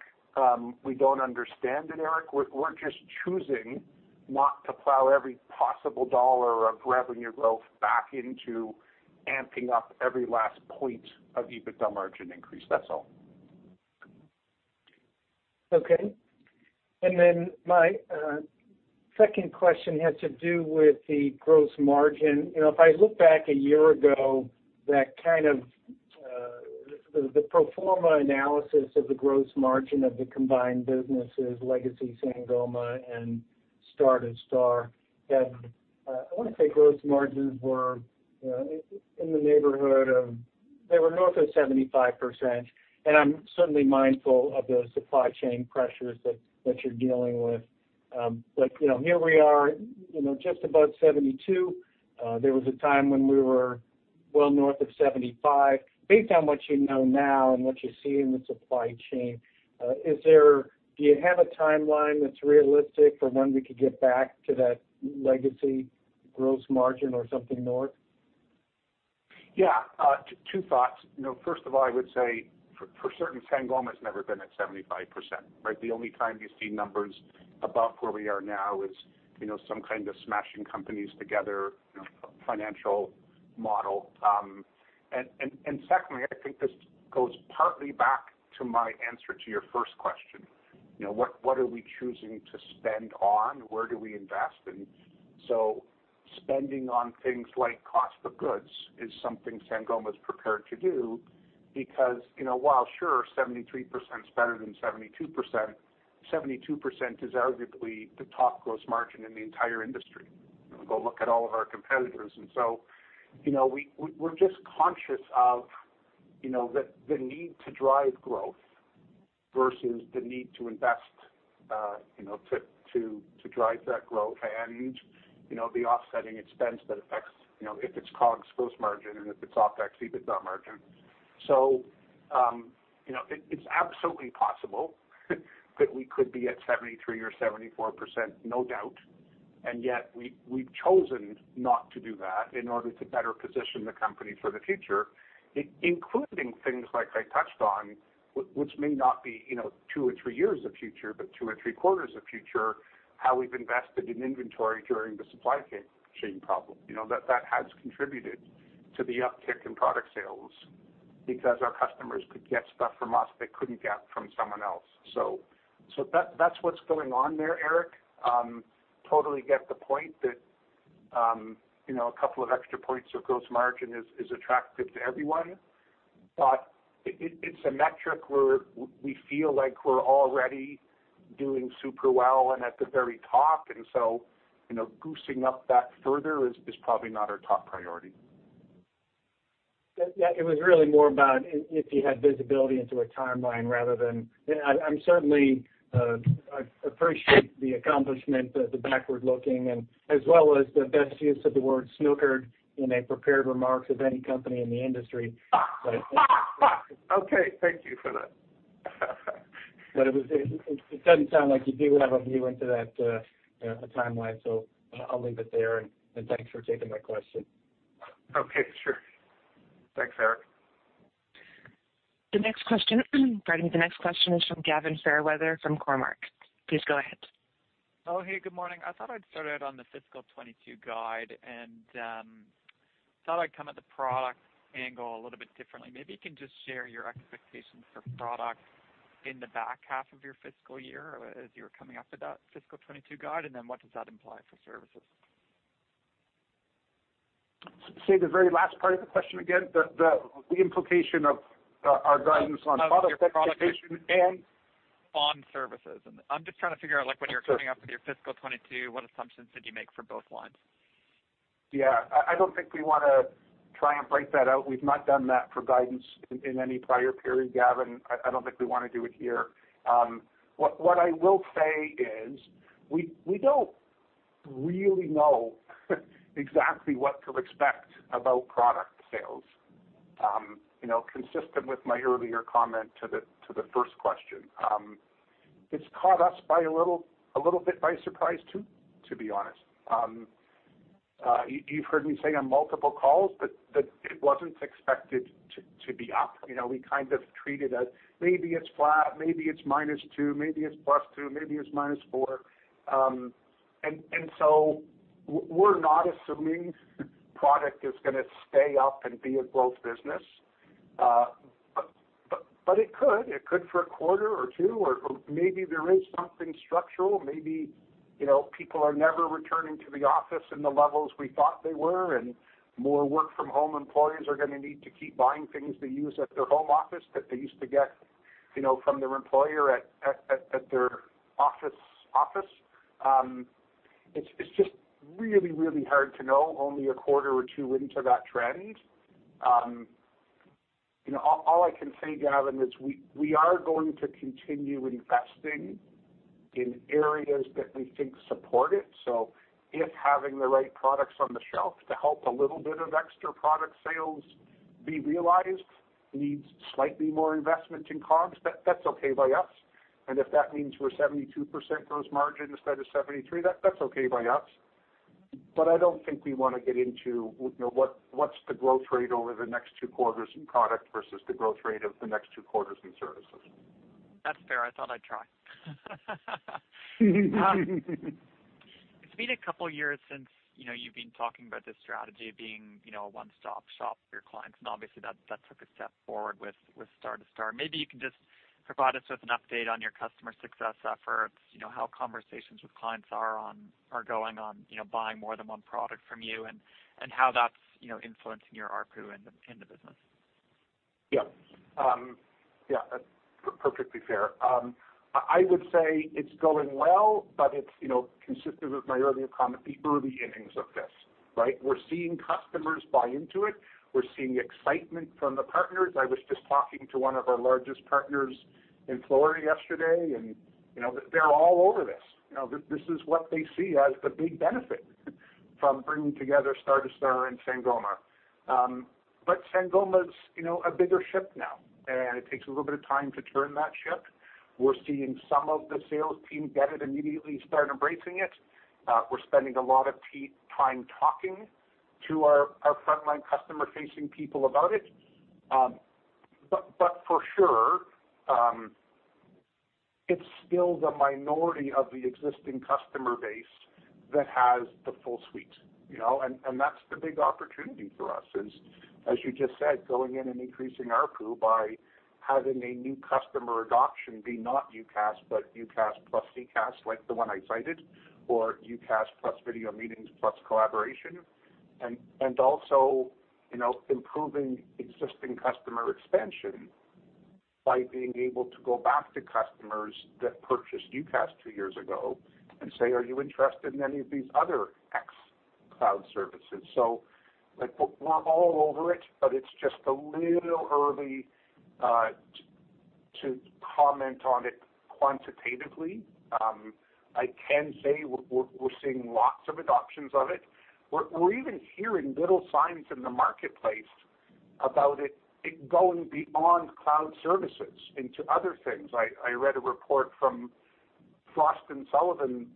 we don't understand it, Eric. We're just choosing not to plow every possible dollar of revenue growth back into amping up every last point of EBITDA margin increase. That's all. Okay. My second question had to do with the gross margin. You know, if I look back a year ago, the pro forma analysis of the gross margin of the combined businesses, legacy Sangoma and Star2Star had, I wanna say gross margins were, you know, in the neighborhood of, they were north of 75%, and I'm certainly mindful of the supply chain pressures that you're dealing with. You know, here we are, you know, just above 72%. There was a time when we were well north of 75%. Based on what you know now and what you see in the supply chain, is there a timeline that's realistic for when we could get back to that legacy gross margin or something north? Yeah. Two thoughts. You know, first of all, I would say for certain, Sangoma's never been at 75%, right? The only time you see numbers above where we are now is, you know, some kind of smashing companies together, you know, financial model. Secondly, I think this goes partly back to my answer to your first question. You know, what are we choosing to spend on? Where do we invest? Spending on things like cost of goods is something Sangoma's prepared to do because, you know, while sure, 73%'s better than 72%, 72% is arguably the top gross margin in the entire industry. You know, go look at all of our competitors. You know, we're just conscious of, you know, the need to drive growth versus the need to invest, you know, to drive that growth and, you know, the offsetting expense that affects, you know, if it's COGS gross margin, and if it's OpEx, EBITDA margin. You know, it's absolutely possible that we could be at 73% or 74%, no doubt. Yet we've chosen not to do that in order to better position the company for the future, including things like I touched on, which may not be, you know, two or three years of future, but two or three quarters of future, how we've invested in inventory during the supply chain problem. You know, that has contributed to the uptick in product sales because our customers could get stuff from us they couldn't get from someone else. that's what's going on there, Eric. Totally get the point that you know, a couple of extra points of gross margin is attractive to everyone. It's a metric where we feel like we're already doing super well and at the very top, and so, you know, goosing up that further is probably not our top priority. Yeah, it was really more about if you had visibility into a timeline rather than you know, I'm certainly, I appreciate the accomplishment of the backward looking and as well as the best use of the word snookered in a prepared remarks of any company in the industry. Okay. Thank you for that. It doesn't sound like you do have a view into that, you know, a timeline, so I'll leave it there, and thanks for taking my question. Okay. Sure. Thanks, Eric. The next question, pardon me, the next question is from Gavin Fairweather from Cormark. Please go ahead. Oh, hey. Good morning. I thought I'd start out on the fiscal 2022 guide, and thought I'd come at the product angle a little bit differently. Maybe you can just share your expectations for product in the back half of your fiscal year as you're coming up to that fiscal 2022 guide, and then what does that imply for services? Say the very last part of the question again, the implication of our guidance on product expectations and- On your product and on services. I'm just trying to figure out, like, when you're coming up with your fiscal 2022, what assumptions did you make for both lines? Yeah. I don't think we wanna try and break that out. We've not done that for guidance in any prior period, Gavin. I don't think we wanna do it here. What I will say is we don't really know exactly what to expect about product sales, you know, consistent with my earlier comment to the first question. It's caught us by a little bit by surprise, too, to be honest. You've heard me say on multiple calls that it wasn't expected to be up. You know, we kind of treated as maybe it's flat, maybe it's -2%, maybe it's +2%, maybe it's -4%. And so we're not assuming product is gonna stay up and be a growth business. But it could. It could for a quarter or two, or maybe there is something structural. Maybe, you know, people are never returning to the office in the levels we thought they were, and more work from home employees are gonna need to keep buying things they use at their home office that they used to get, you know, from their employer at their office. It's just really hard to know only a quarter or two into that trend. You know, all I can say, Gavin, is we are going to continue investing in areas that we think support it. If having the right products on the shelf to help a little bit of extra product sales be realized needs slightly more investment in COGS, that's okay by us. If that means we're 72% gross margin instead of 73%, that's okay by us. But I don't think we wanna get into you know, what's the growth rate over the next two quarters in product versus the growth rate of the next two quarters in services. That's fair. I thought I'd try. It's been a couple years since, you know, you've been talking about this strategy being, you know, a one-stop shop for your clients, and obviously, that took a step forward with Star2Star. Maybe you can just provide us with an update on your customer success efforts, you know, how conversations with clients are going on, you know, buying more than one product from you and how that's, you know, influencing your ARPU in the business. Yeah. Yeah, that's perfectly fair. I would say it's going well, but it's, you know, consistent with my earlier comment, the early innings of this, right? We're seeing customers buy into it. We're seeing excitement from the partners. I was just talking to one of our largest partners in Florida yesterday, and, you know, they're all over this. You know, this is what they see as the big benefit from bringing together Star2Star and Sangoma. But Sangoma is, you know, a bigger ship now, and it takes a little bit of time to turn that ship. We're seeing some of the sales team get it immediately, start embracing it. We're spending a lot of time talking to our frontline customer-facing people about it. For sure, it's still the minority of the existing customer base that has the full suite, you know? That's the big opportunity for us is, as you just said, going in and increasing ARPU by having a new customer adoption be not UCaaS, but UCaaS plus CCaaS, like the one I cited, or UCaaS plus video meetings plus collaboration. Also, you know, improving existing customer expansion by being able to go back to customers that purchased UCaaS two years ago and say, "Are you interested in any of these other X cloud services?" Like, we're all over it, but it's just a little early to comment on it quantitatively. I can say we're seeing lots of adoptions of it. We're even hearing little signs in the marketplace about it going beyond cloud services into other things. I read a report from Frost & Sullivan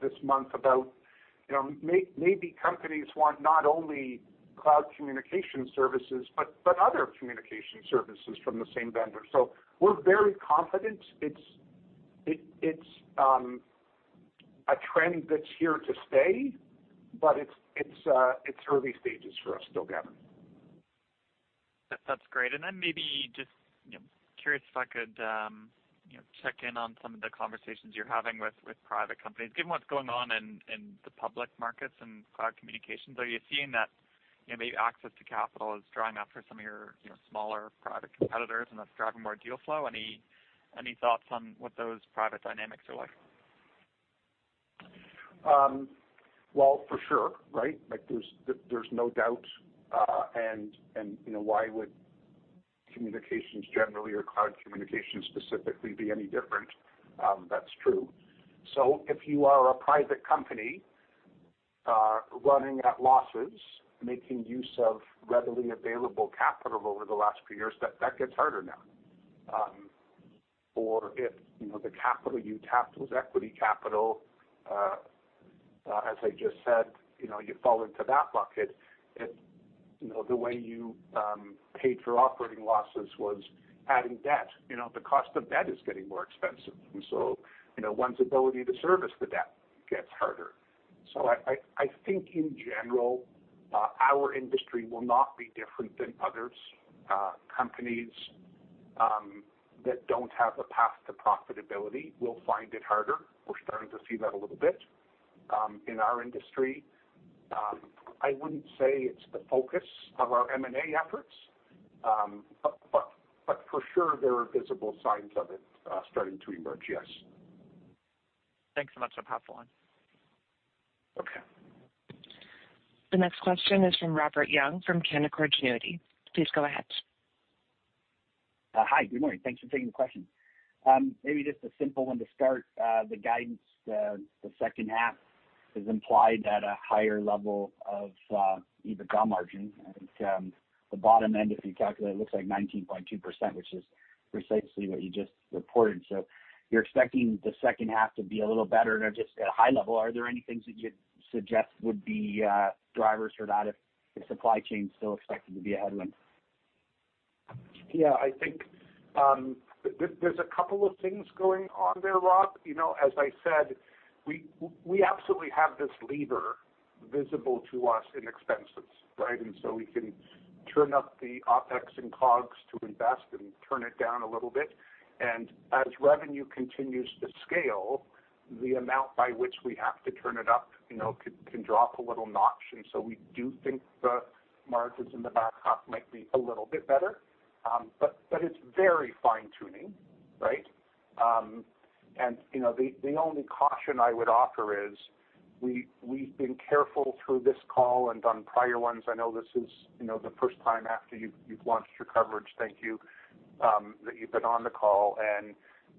this month about, you know, maybe companies want not only cloud communication services, but other communication services from the same vendor. We're very confident it's a trend that's here to stay, but it's early stages for us still, Gavin. That's great. Then maybe just, you know, curious if I could, you know, check in on some of the conversations you're having with private companies. Given what's going on in the public markets and cloud communications, are you seeing that, you know, maybe access to capital is drying up for some of your, you know, smaller private competitors, and that's driving more deal flow? Any thoughts on what those private dynamics are like? Well, for sure, right? Like, there's no doubt. You know, why would communications generally or cloud communications specifically be any different? That's true. If you are a private company running at losses, making use of readily available capital over the last few years, that gets harder now. If you know, the capital you tapped was equity capital, as I just said, you know, you fall into that bucket. If you know, the way you paid for operating losses was adding debt, you know, the cost of debt is getting more expensive. You know, one's ability to service the debt gets harder. I think in general, our industry will not be different than others. Companies that don't have a path to profitability will find it harder. We're starting to see that a little bit in our industry. I wouldn't say it's the focus of our M&A efforts, but for sure, there are visible signs of it starting to emerge, yes. Thanks so much for hopping on. Okay. The next question is from Robert Young from Canaccord Genuity. Please go ahead. Hi, good morning. Thanks for taking the question. Maybe just a simple one to start. The guidance, the second half is implied at a higher level of EBITDA margin. I think, the bottom end, if you calculate, it looks like 19.2%, which is precisely what you just reported. You're expecting the second half to be a little better. Just at a high level, are there any things that you'd suggest would be drivers for that if supply chain is still expected to be a headwind? Yeah, I think there's a couple of things going on there, Rob. You know, as I said, we absolutely have this lever visible to us in expenses, right? We can turn up the OpEx and COGS to invest and turn it down a little bit. As revenue continues to scale, the amount by which we have to turn it up, you know, can drop a little notch. We do think the margins in the back half might be a little bit better. It's very fine-tuning, right? You know, the only caution I would offer is we've been careful through this call and on prior ones. I know this is, you know, the first time after you've launched your coverage, thank you, that you've been on the call.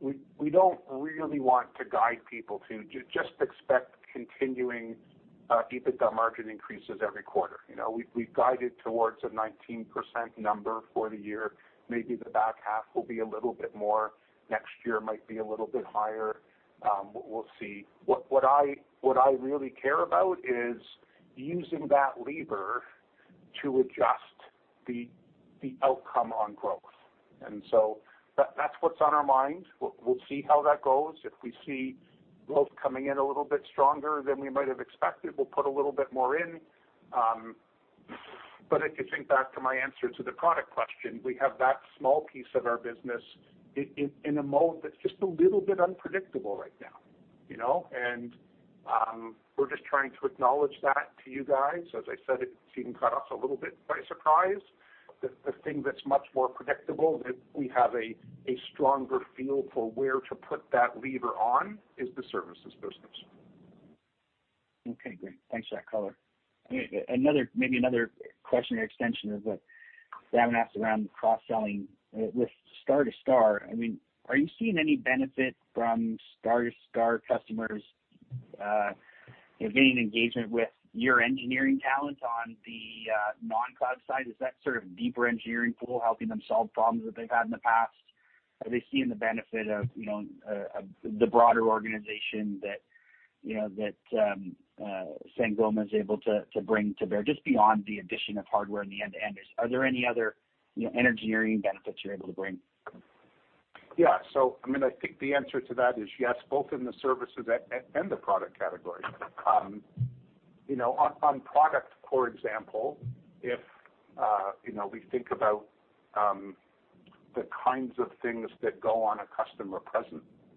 We don't really want to guide people to just expect continuing EBITDA margin increases every quarter. You know, we've guided towards a 19% number for the year. Maybe the back half will be a little bit more. Next year might be a little bit higher. We'll see. What I really care about is using that lever to adjust the outcome on growth. That's what's on our mind. We'll see how that goes. If we see growth coming in a little bit stronger than we might have expected, we'll put a little bit more in. If you think back to my answer to the product question, we have that small piece of our business in a mode that's just a little bit unpredictable right now. We're just trying to acknowledge that to you guys. As I said, it seemed to catch us a little bit by surprise. The thing that's much more predictable that we have a stronger feel for where to put that lever on is the services business. Okay, great. Thanks for that color. Maybe another question or extension of what Gavin asked around cross-selling. With Star2Star, I mean, are you seeing any benefit from Star2Star customers getting engagement with your engineering talent on the non-cloud side? Is that sort of deeper engineering pool helping them solve problems that they've had in the past? Are they seeing the benefit of you know of the broader organization that you know that Sangoma is able to bring to bear, just beyond the addition of hardware in the end-to-enders? Are there any other you know engineering benefits you're able to bring? Yeah. I mean, I think the answer to that is yes, both in the services and the product category. You know, on product, for example, if you know, we think about the kinds of things that go on a customer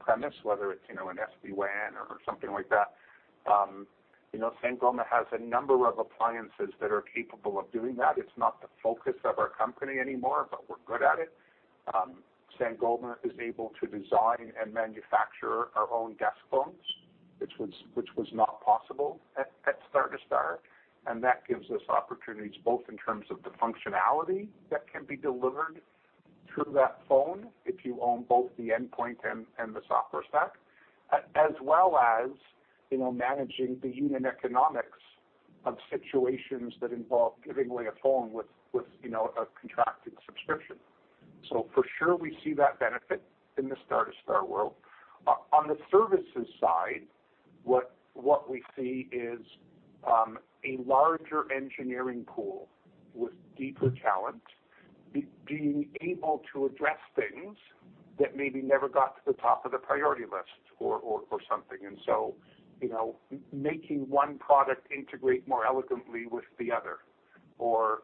premise, whether it's you know, an SD-WAN or something like that, you know, Sangoma has a number of appliances that are capable of doing that. It's not the focus of our company anymore, but we're good at it. Sangoma is able to design and manufacture our own desk phones, which was not possible at Star2Star. That gives us opportunities both in terms of the functionality that can be delivered through that phone if you own both the endpoint and the software stack, as well as, you know, managing the unit economics of situations that involve giving away a phone with, you know, a contracted subscription. For sure, we see that benefit in the Star2Star world. On the services side, what we see is a larger engineering pool with deeper talent being able to address things that maybe never got to the top of the priority list or something. You know, making one product integrate more elegantly with the other, or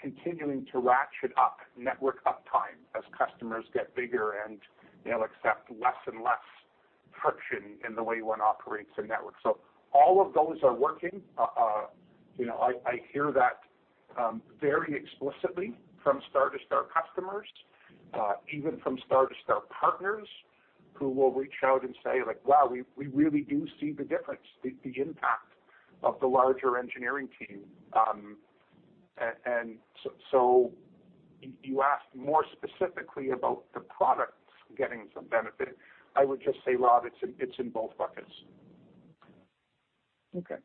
continuing to ratchet up network uptime as customers get bigger and they'll accept less and less friction in the way one operates a network. All of those are working. You know, I hear that very explicitly from Star2Star customers, even from Star2Star partners who will reach out and say, like, "Wow, we really do see the difference, the impact of the larger engineering team." You asked more specifically about the products getting some benefit. I would just say, Rob, it's in both buckets. Okay.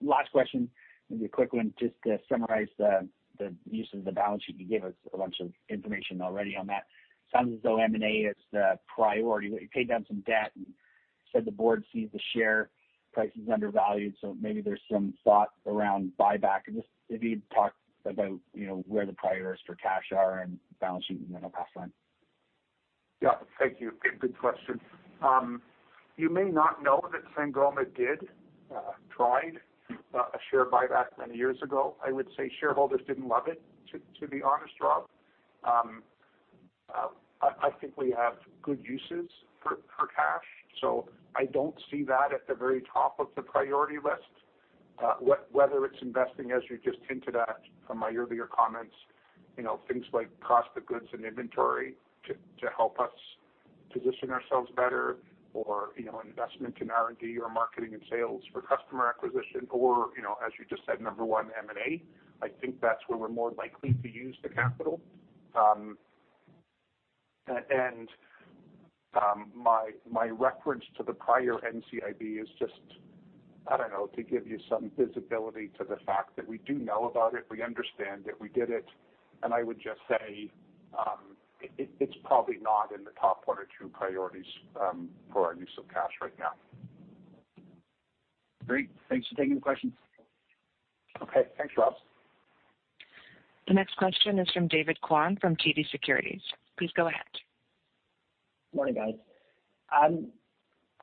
Last question, maybe a quick one just to summarize the use of the balance sheet. You gave us a bunch of information already on that. Sounds as though M&A is the priority. You paid down some debt and said the board sees the share price is undervalued, so maybe there's some thought around buyback. Just if you'd talk about, you know, where the priorities for cash are and balance sheet in the past time. Yeah. Thank you. Good question. You may not know that Sangoma tried a share buyback many years ago. I would say shareholders didn't love it, to be honest, Rob. I think we have good uses for cash, so I don't see that at the very top of the priority list. Whether it's investing, as you just hinted at from my earlier comments, you know, things like cost of goods and inventory to help us position ourselves better or, you know, investment in R&D or marketing and sales for customer acquisition or, you know, as you just said, number one, M&A, I think that's where we're more likely to use the capital. My reference to the prior NCIB is just, I don't know, to give you some visibility to the fact that we do know about it, we understand it, we did it, and I would just say, it's probably not in the top one or two priorities for our use of cash right now. Great. Thanks for taking the questions. Okay. Thanks, Rob. The next question is from David Kwan from TD Securities. Please go ahead. Morning, guys.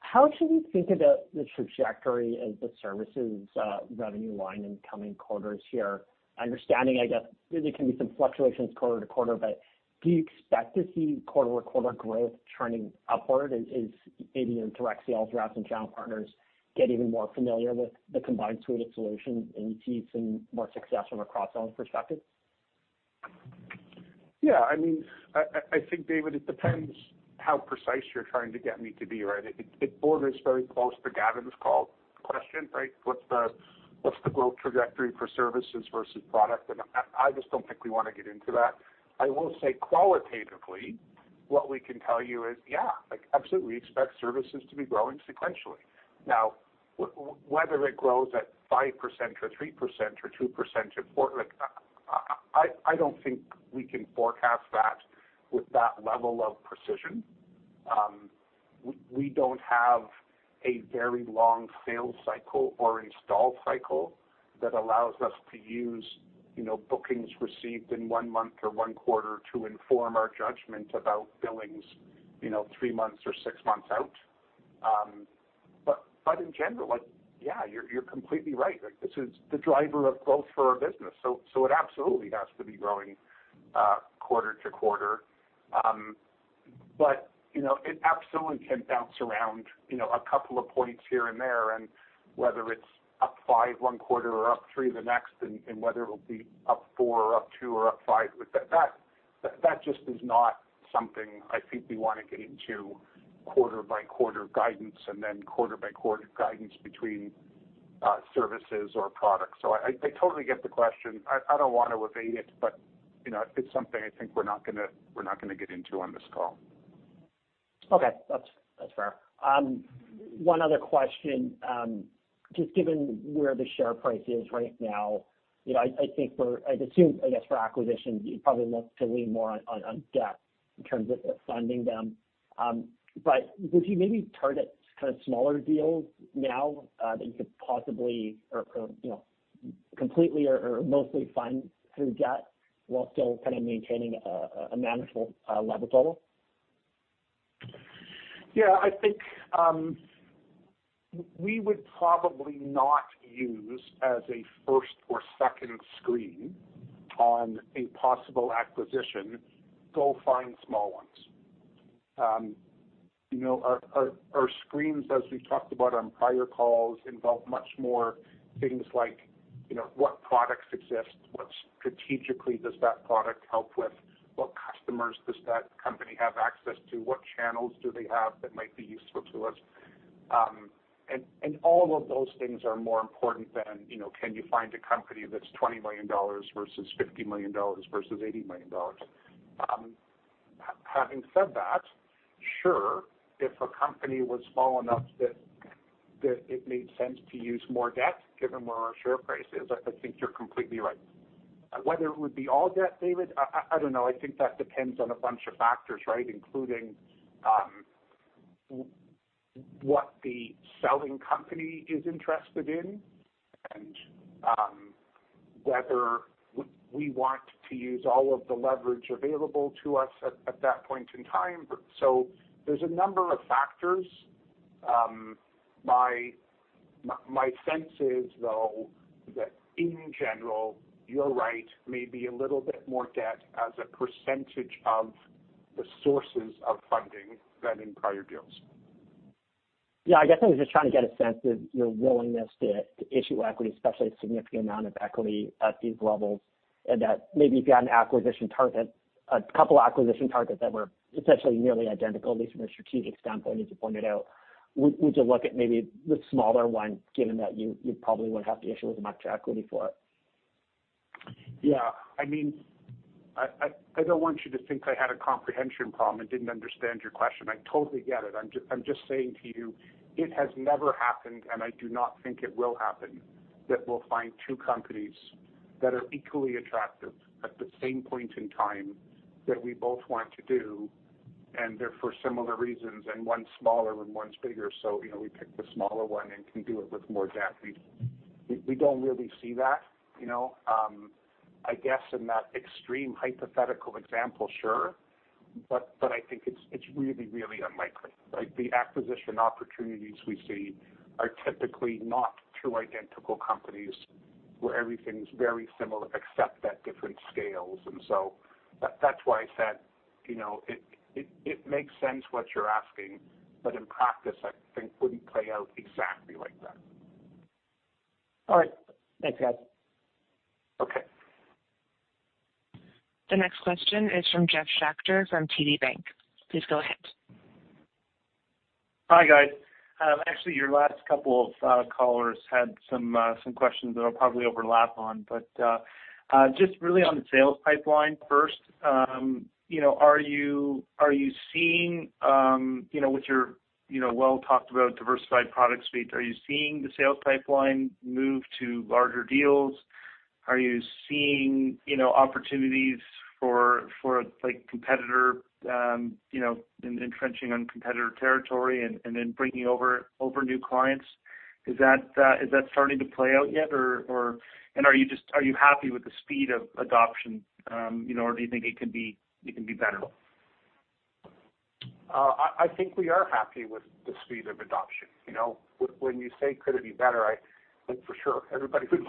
How should we think about the trajectory of the services revenue line in coming quarters here? Understanding, I guess, there can be some fluctuations quarter-to-quarter, but do you expect to see quarter-over-quarter growth turning upward as maybe your direct sales reps and channel partners get even more familiar with the combined suite of solutions and you see some more success from a cross-sell perspective? Yeah. I mean, I think, David, it depends how precise you're trying to get me to be, right? It borders very close to Gavin's call question, right? What's the growth trajectory for services versus product? I just don't think we wanna get into that. I will say qualitatively what we can tell you is, yeah, like absolutely expect services to be growing sequentially. Now whether it grows at 5% or 3% or 2% or 4%, like I don't think we can forecast that with that level of precision. We don't have a very long sales cycle or install cycle that allows us to use, you know, bookings received in one month or one quarter to inform our judgment about billings, you know, three months or six months out. In general, like, yeah, you're completely right. Like, this is the driver of growth for our business. It absolutely has to be growing quarter-to-quarter. You know, it absolutely can bounce around, you know, a couple of points here and there, and whether it's up 5% one quarter or up 3% the next, and whether it'll be up 4% or up 2% or up 5%. That just is not something I think we wanna get into quarter-by-quarter guidance and then quarter-by-quarter guidance between services or products. I totally get the question. I don't wanna evade it, but you know, it's something I think we're not gonna get into on this call. Okay. That's fair. One other question, just given where the share price is right now, you know, I think I'd assume, I guess for acquisitions, you'd probably look to lean more on debt in terms of funding them. Would you maybe target kind of smaller deals now, that you could possibly or you know, completely or mostly fund through debt while still kind of maintaining a manageable leverage total? I think we would probably not use as a first or second screen on a possible acquisition, go find small ones. You know, our screens, as we've talked about on prior calls, involve much more things like, you know, what products exist, what strategically does that product help with? What customers does that company have access to? What channels do they have that might be useful to us? All of those things are more important than, you know, can you find a company that's $20 million versus $50 million versus $80 million. Having said that, sure, if a company was small enough that it made sense to use more debt given where our share price is, I think you're completely right. Whether it would be all debt, David, I don't know. I think that depends on a bunch of factors, right? Including what the selling company is interested in and whether we want to use all of the leverage available to us at that point in time. There's a number of factors. My sense is though that in general, you're right, maybe a little bit more debt as a percentage of the sources of funding than in prior deals. Yeah. I guess I was just trying to get a sense of your willingness to issue equity, especially a significant amount of equity at these levels, and that maybe if you had an acquisition target, a couple acquisition targets that were essentially nearly identical, at least from a strategic standpoint, as you pointed out, would you look at maybe the smaller one given that you probably would have to issue as much equity for it? Yeah. I mean, I don't want you to think I had a comprehension problem and didn't understand your question. I totally get it. I'm just saying to you, it has never happened, and I do not think it will happen, that we'll find two companies that are equally attractive at the same point in time that we both want to do, and they're for similar reasons, and one's smaller and one's bigger, so, you know, we pick the smaller one and can do it with more debt. We don't really see that, you know. I guess in that extreme hypothetical example, sure. I think it's really unlikely, right? The acquisition opportunities we see are typically not two identical companies where everything's very similar except at different scales. That's why I said, you know, it makes sense what you're asking, but in practice I think wouldn't play out exactly like that. All right. Thanks, guys. Okay. The next question is from Jeff Schachter from TD Bank. Please go ahead. Hi, guys. Actually your last couple of callers had some questions that I'll probably overlap on. Just really on the sales pipeline first, you know, are you seeing, you know, with your, you know, well-talked about diversified product suite, are you seeing the sales pipeline move to larger deals? Are you seeing, you know, opportunities for like competitor, you know, in entrenching on competitor territory and then bringing over new clients? Is that starting to play out yet, or? Are you happy with the speed of adoption, you know, or do you think it can be better? I think we are happy with the speed of adoption. You know, when you say could it be better? I think for sure everybody would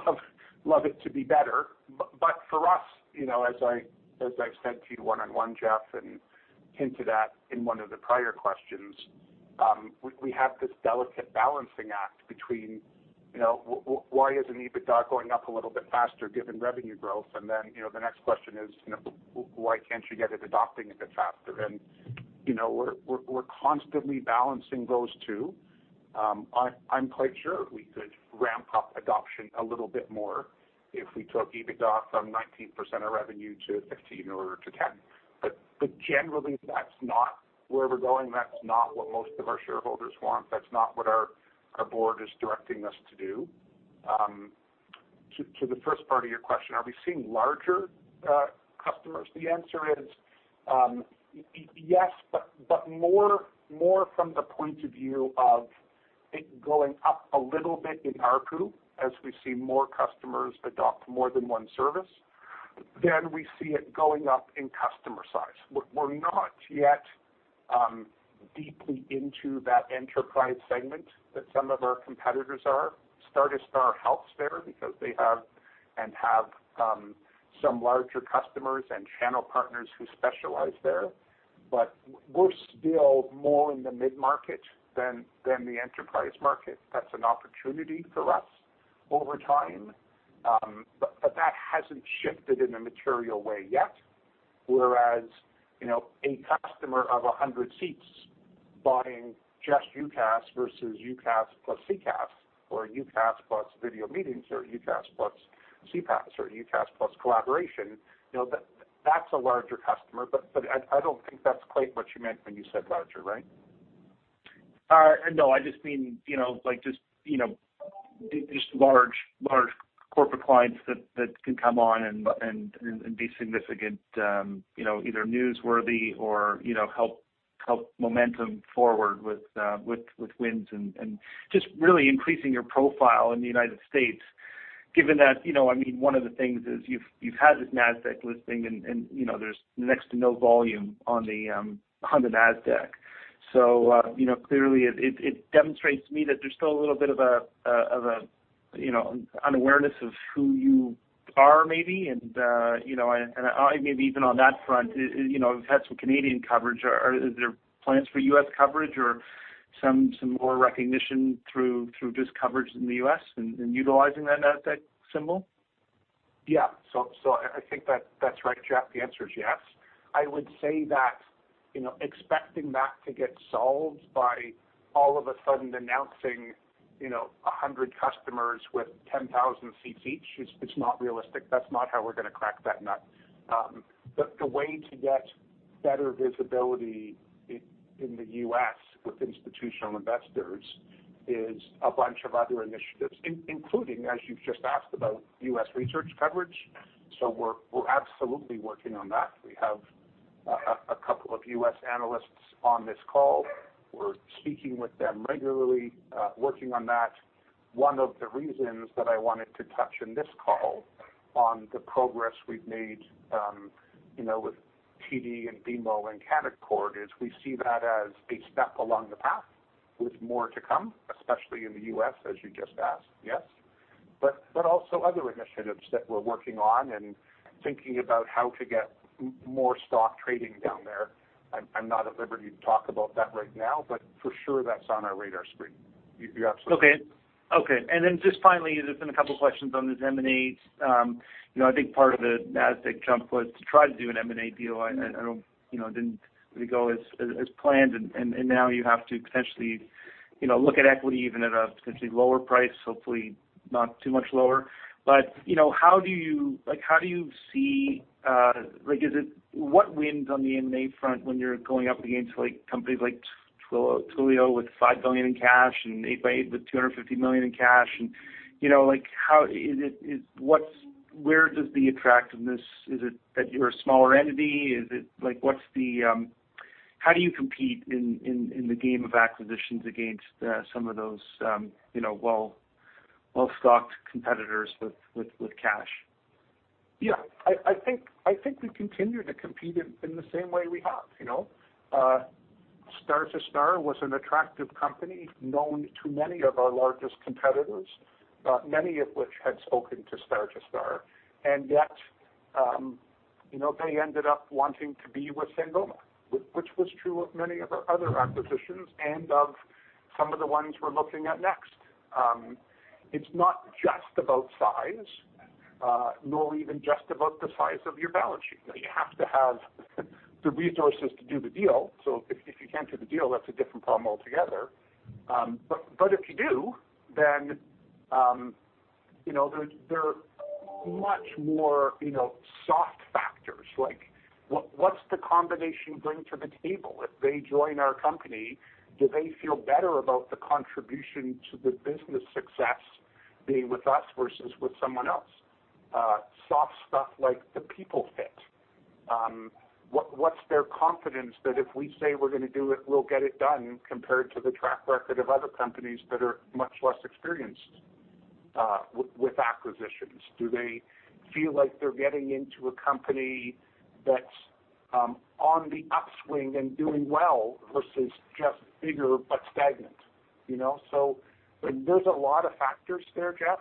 love it to be better. For us, you know, as I've said to you one-on-one, Jeff, and hinted at in one of the prior questions, we have this delicate balancing act between, you know, why isn't EBITDA going up a little bit faster given revenue growth? You know, the next question is, you know, why can't you get it adopting a bit faster? You know, we're constantly balancing those two. I'm quite sure we could ramp up adoption a little bit more if we took EBITDA from 19% of revenue to 15% or to 10%. Generally, that's not where we're going. That's not what most of our shareholders want. That's not what our board is directing us to do. To the first part of your question, are we seeing larger customers? The answer is, yes, but more from the point of view of it going up a little bit in ARPU as we see more customers adopt more than one service than we see it going up in customer size. We're not yet deeply into that enterprise segment that some of our competitors are. Star2Star helps there because they have some larger customers and channel partners who specialize there. We're still more in the mid-market than the enterprise market. That's an opportunity for us over time. That hasn't shifted in a material way yet. Well, as you know, a customer of 100 seats buying just UCaaS versus UCaaS plus CCaaS, or UCaaS plus video meetings, or UCaaS plus CCaaS, or UCaaS plus collaboration, you know, that's a larger customer. I don't think that's quite what you meant when you said larger, right? No. I just mean, you know, like, just large corporate clients that can come on and be significant, you know, either newsworthy or, you know, help momentum forward with wins and just really increasing your profile in the United States, given that, you know, I mean, one of the things is you've had this Nasdaq listing and, you know, there's next to no volume on the Nasdaq. So, you know, clearly it demonstrates to me that there's still a little bit of a, you know, an unawareness of who you are maybe. Maybe even on that front, you know, we've had some Canadian coverage. Is there plans for U.S. coverage or some more recognition through just coverage in the U.S. and utilizing that Nasdaq symbol? Yeah. I think that's right, Jeff. The answer is yes. I would say that, you know, expecting that to get solved by all of a sudden announcing, you know, 100 customers with 10,000 seats each, it's not realistic. That's not how we're gonna crack that nut. The way to get better visibility in the U.S. with institutional investors is a bunch of other initiatives, including, as you've just asked about, U.S. research coverage. We're absolutely working on that. We have a couple of U.S. analysts on this call. We're speaking with them regularly, working on that. One of the reasons that I wanted to touch on this call on the progress we've made, you know, with TD and BMO and Canaccord is we see that as a step along the path with more to come, especially in the U.S., as you just asked, yes. Also other initiatives that we're working on and thinking about how to get more stock trading down there. I'm not at liberty to talk about that right now, but for sure that's on our radar screen. You absolutely. Okay. Then just finally, there's been a couple of questions on this M&As. You know, I think part of the Nasdaq jump was to try to do an M&A deal. I don't, you know, didn't really go as planned and now you have to potentially, you know, look at equity even at a potentially lower price, hopefully not too much lower. You know, how do you like, how do you see, like is it what wins on the M&A front when you're going up against, like, companies like Twilio with $5 billion in cash and 8x8 with $250 million in cash? You know, like how is it, what's where does the attractiveness, is it that you're a smaller entity? Is it, like, what's the, how do you compete in the game of acquisitions against some of those, you know, well, well-stocked competitors with cash? Yeah. I think we continue to compete in the same way we have, you know. Star2Star was an attractive company known to many of our largest competitors, many of which had spoken to Star2Star. Yet, you know, they ended up wanting to be with Sangoma, which was true of many of our other acquisitions and of some of the ones we're looking at next. It's not just about size, nor even just about the size of your balance sheet. You have to have the resources to do the deal. If you can't do the deal, that's a different problem altogether. But if you do, then, you know, there are much more, you know, soft factors like what's the combination bring to the table? If they join our company, do they feel better about the contribution to the business success being with us versus with someone else? Soft stuff like the people fit. What's their confidence that if we say we're gonna do it, we'll get it done compared to the track record of other companies that are much less experienced with acquisitions? Do they feel like they're getting into a company that's on the upswing and doing well versus just bigger but stagnant, you know? There's a lot of factors there, Jeff.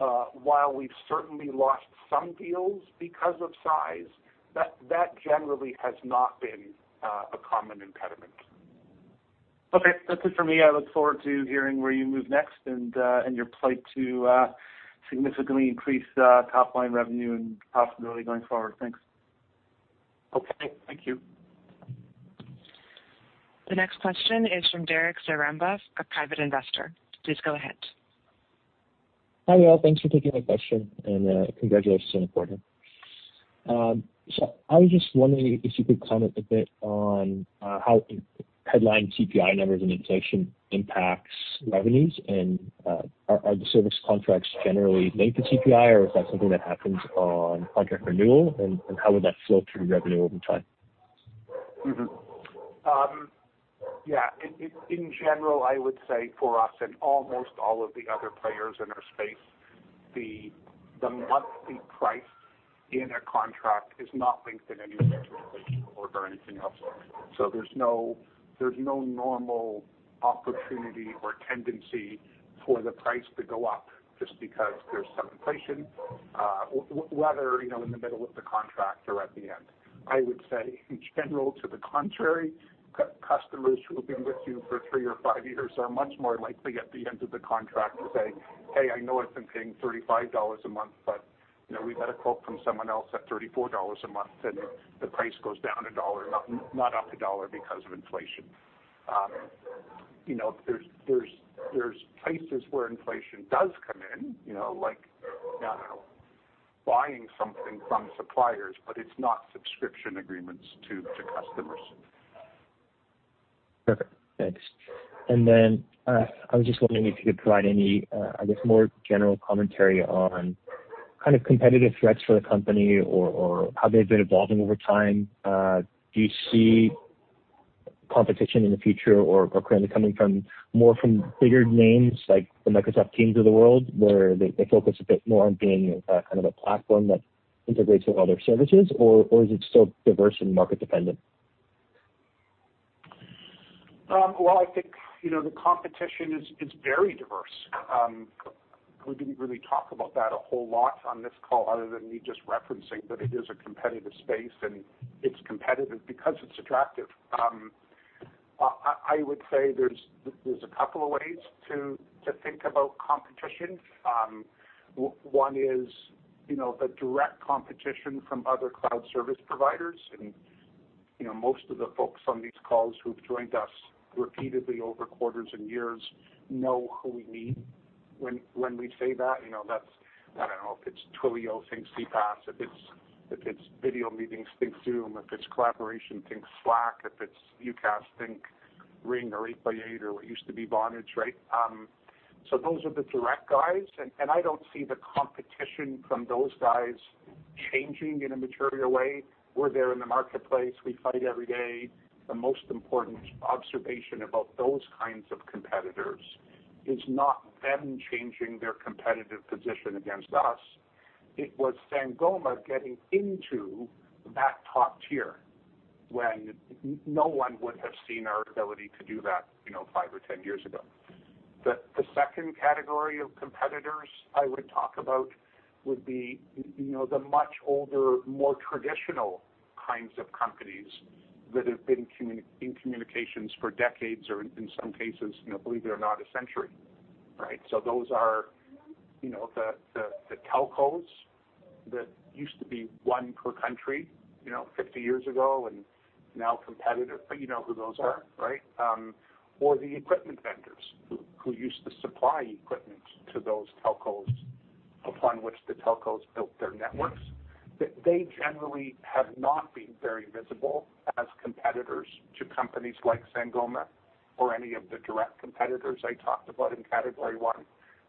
While we've certainly lost some deals because of size, that generally has not been a common impediment. Okay. That's it for me. I look forward to hearing where you move next and your plan to significantly increase top line revenue and profitability going forward. Thanks. Okay. Thank you. The next question is from Derek Zaremba, a private investor. Please go ahead. Hi, y'all. Thanks for taking my question and congratulations on the quarter. I was just wondering if you could comment a bit on how headline CPI numbers and inflation impacts revenues. Are the service contracts generally linked to CPI, or is that something that happens on contract renewal, and how would that flow through revenue over time? Yeah, in general, I would say for us and almost all of the other players in our space, the monthly price in a contract is not linked in any way to inflation or anything else. There's no normal opportunity or tendency for the price to go up just because there's some inflation, whether you know, in the middle of the contract or at the end. I would say in general, to the contrary, customers who have been with you for three or five years are much more likely at the end of the contract to say, "Hey, I know I've been paying $35 a month, but you know, we got a quote from someone else at $34 a month," and the price goes down $1, not up $1 because of inflation. You know, there's places where inflation does come in, you know, like, I don't know, buying something from suppliers, but it's not subscription agreements to customers. Perfect. Thanks. I was just wondering if you could provide any, I guess, more general commentary on kind of competitive threats for the company or how they've been evolving over time. Do you see competition in the future or currently coming more from bigger names like the Microsoft Teams of the world, where they focus a bit more on being kind of a platform that integrates with other services? Or is it still diverse and market-dependent? Well, I think, you know, the competition is very diverse. We didn't really talk about that a whole lot on this call other than me just referencing that it is a competitive space, and it's competitive because it's attractive. I would say there's a couple of ways to think about competition. One is, you know, the direct competition from other cloud service providers. You know, most of the folks on these calls who've joined us repeatedly over quarters and years know who we mean when we say that. You know, that's, I don't know, if it's Twilio, think CPaaS. If it's video meetings, think Zoom. If it's collaboration, think Slack. If it's UCaaS, think Ring or 8x8 or what used to be Vonage, right? Those are the direct guys. I don't see the competition from those guys changing in a material way. We're there in the marketplace. We fight every day. The most important observation about those kinds of competitors is not them changing their competitive position against us. It was Sangoma getting into that top tier when no one would have seen our ability to do that, you know, five or 10 years ago. The second category of competitors I would talk about would be, you know, the much older, more traditional kinds of companies that have been in communications for decades or in some cases, you know, believe it or not, a century, right? Those are, you know, the telcos that used to be one per country, you know, 50 years ago and now competitive. You know who those are, right? The equipment vendors who used to supply equipment to those telcos upon which the telcos built their networks. They generally have not been very visible as competitors to companies like Sangoma or any of the direct competitors I talked about in category one.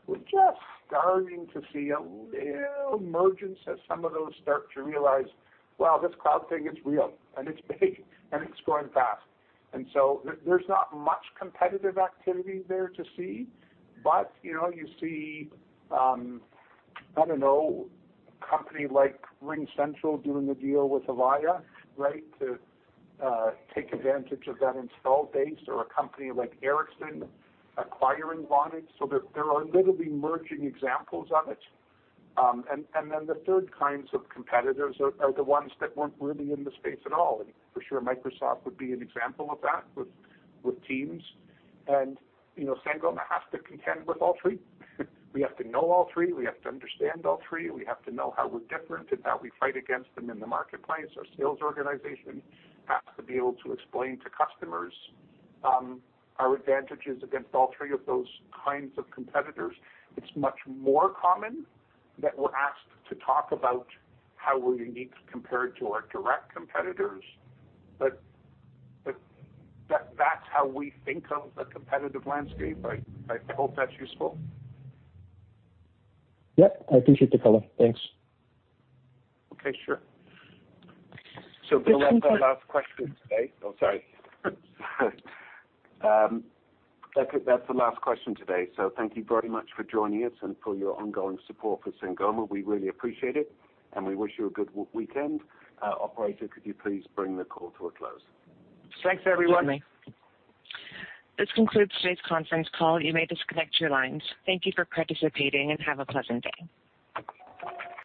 We're just starting to see a little emergence as some of those start to realize, "Wow, this cloud thing is real, and it's big, and it's growing fast." There's not much competitive activity there to see. You know, you see, I don't know, a company like RingCentral doing a deal with Avaya, right, to take advantage of that installed base or a company like Ericsson acquiring Vonage. There are literally emerging examples of it. Then the third kinds of competitors are the ones that weren't really in the space at all. For sure, Microsoft would be an example of that with Teams. You know, Sangoma has to contend with all three. We have to know all three. We have to understand all three. We have to know how we're different and how we fight against them in the marketplace. Our sales organization has to be able to explain to customers our advantages against all three of those kinds of competitors. It's much more common that we're asked to talk about how we're unique compared to our direct competitors. But that's how we think of the competitive landscape. I hope that's useful. Yep. I appreciate the color. Thanks. Okay, sure. Bill, that's our last question today. That's it. That's the last question today. Thank you very much for joining us and for your ongoing support for Sangoma. We really appreciate it, and we wish you a good weekend. Operator, could you please bring the call to a close? Thanks, everyone. Excuse me. This concludes today's conference call. You may disconnect your lines. Thank you for participating, and have a pleasant day.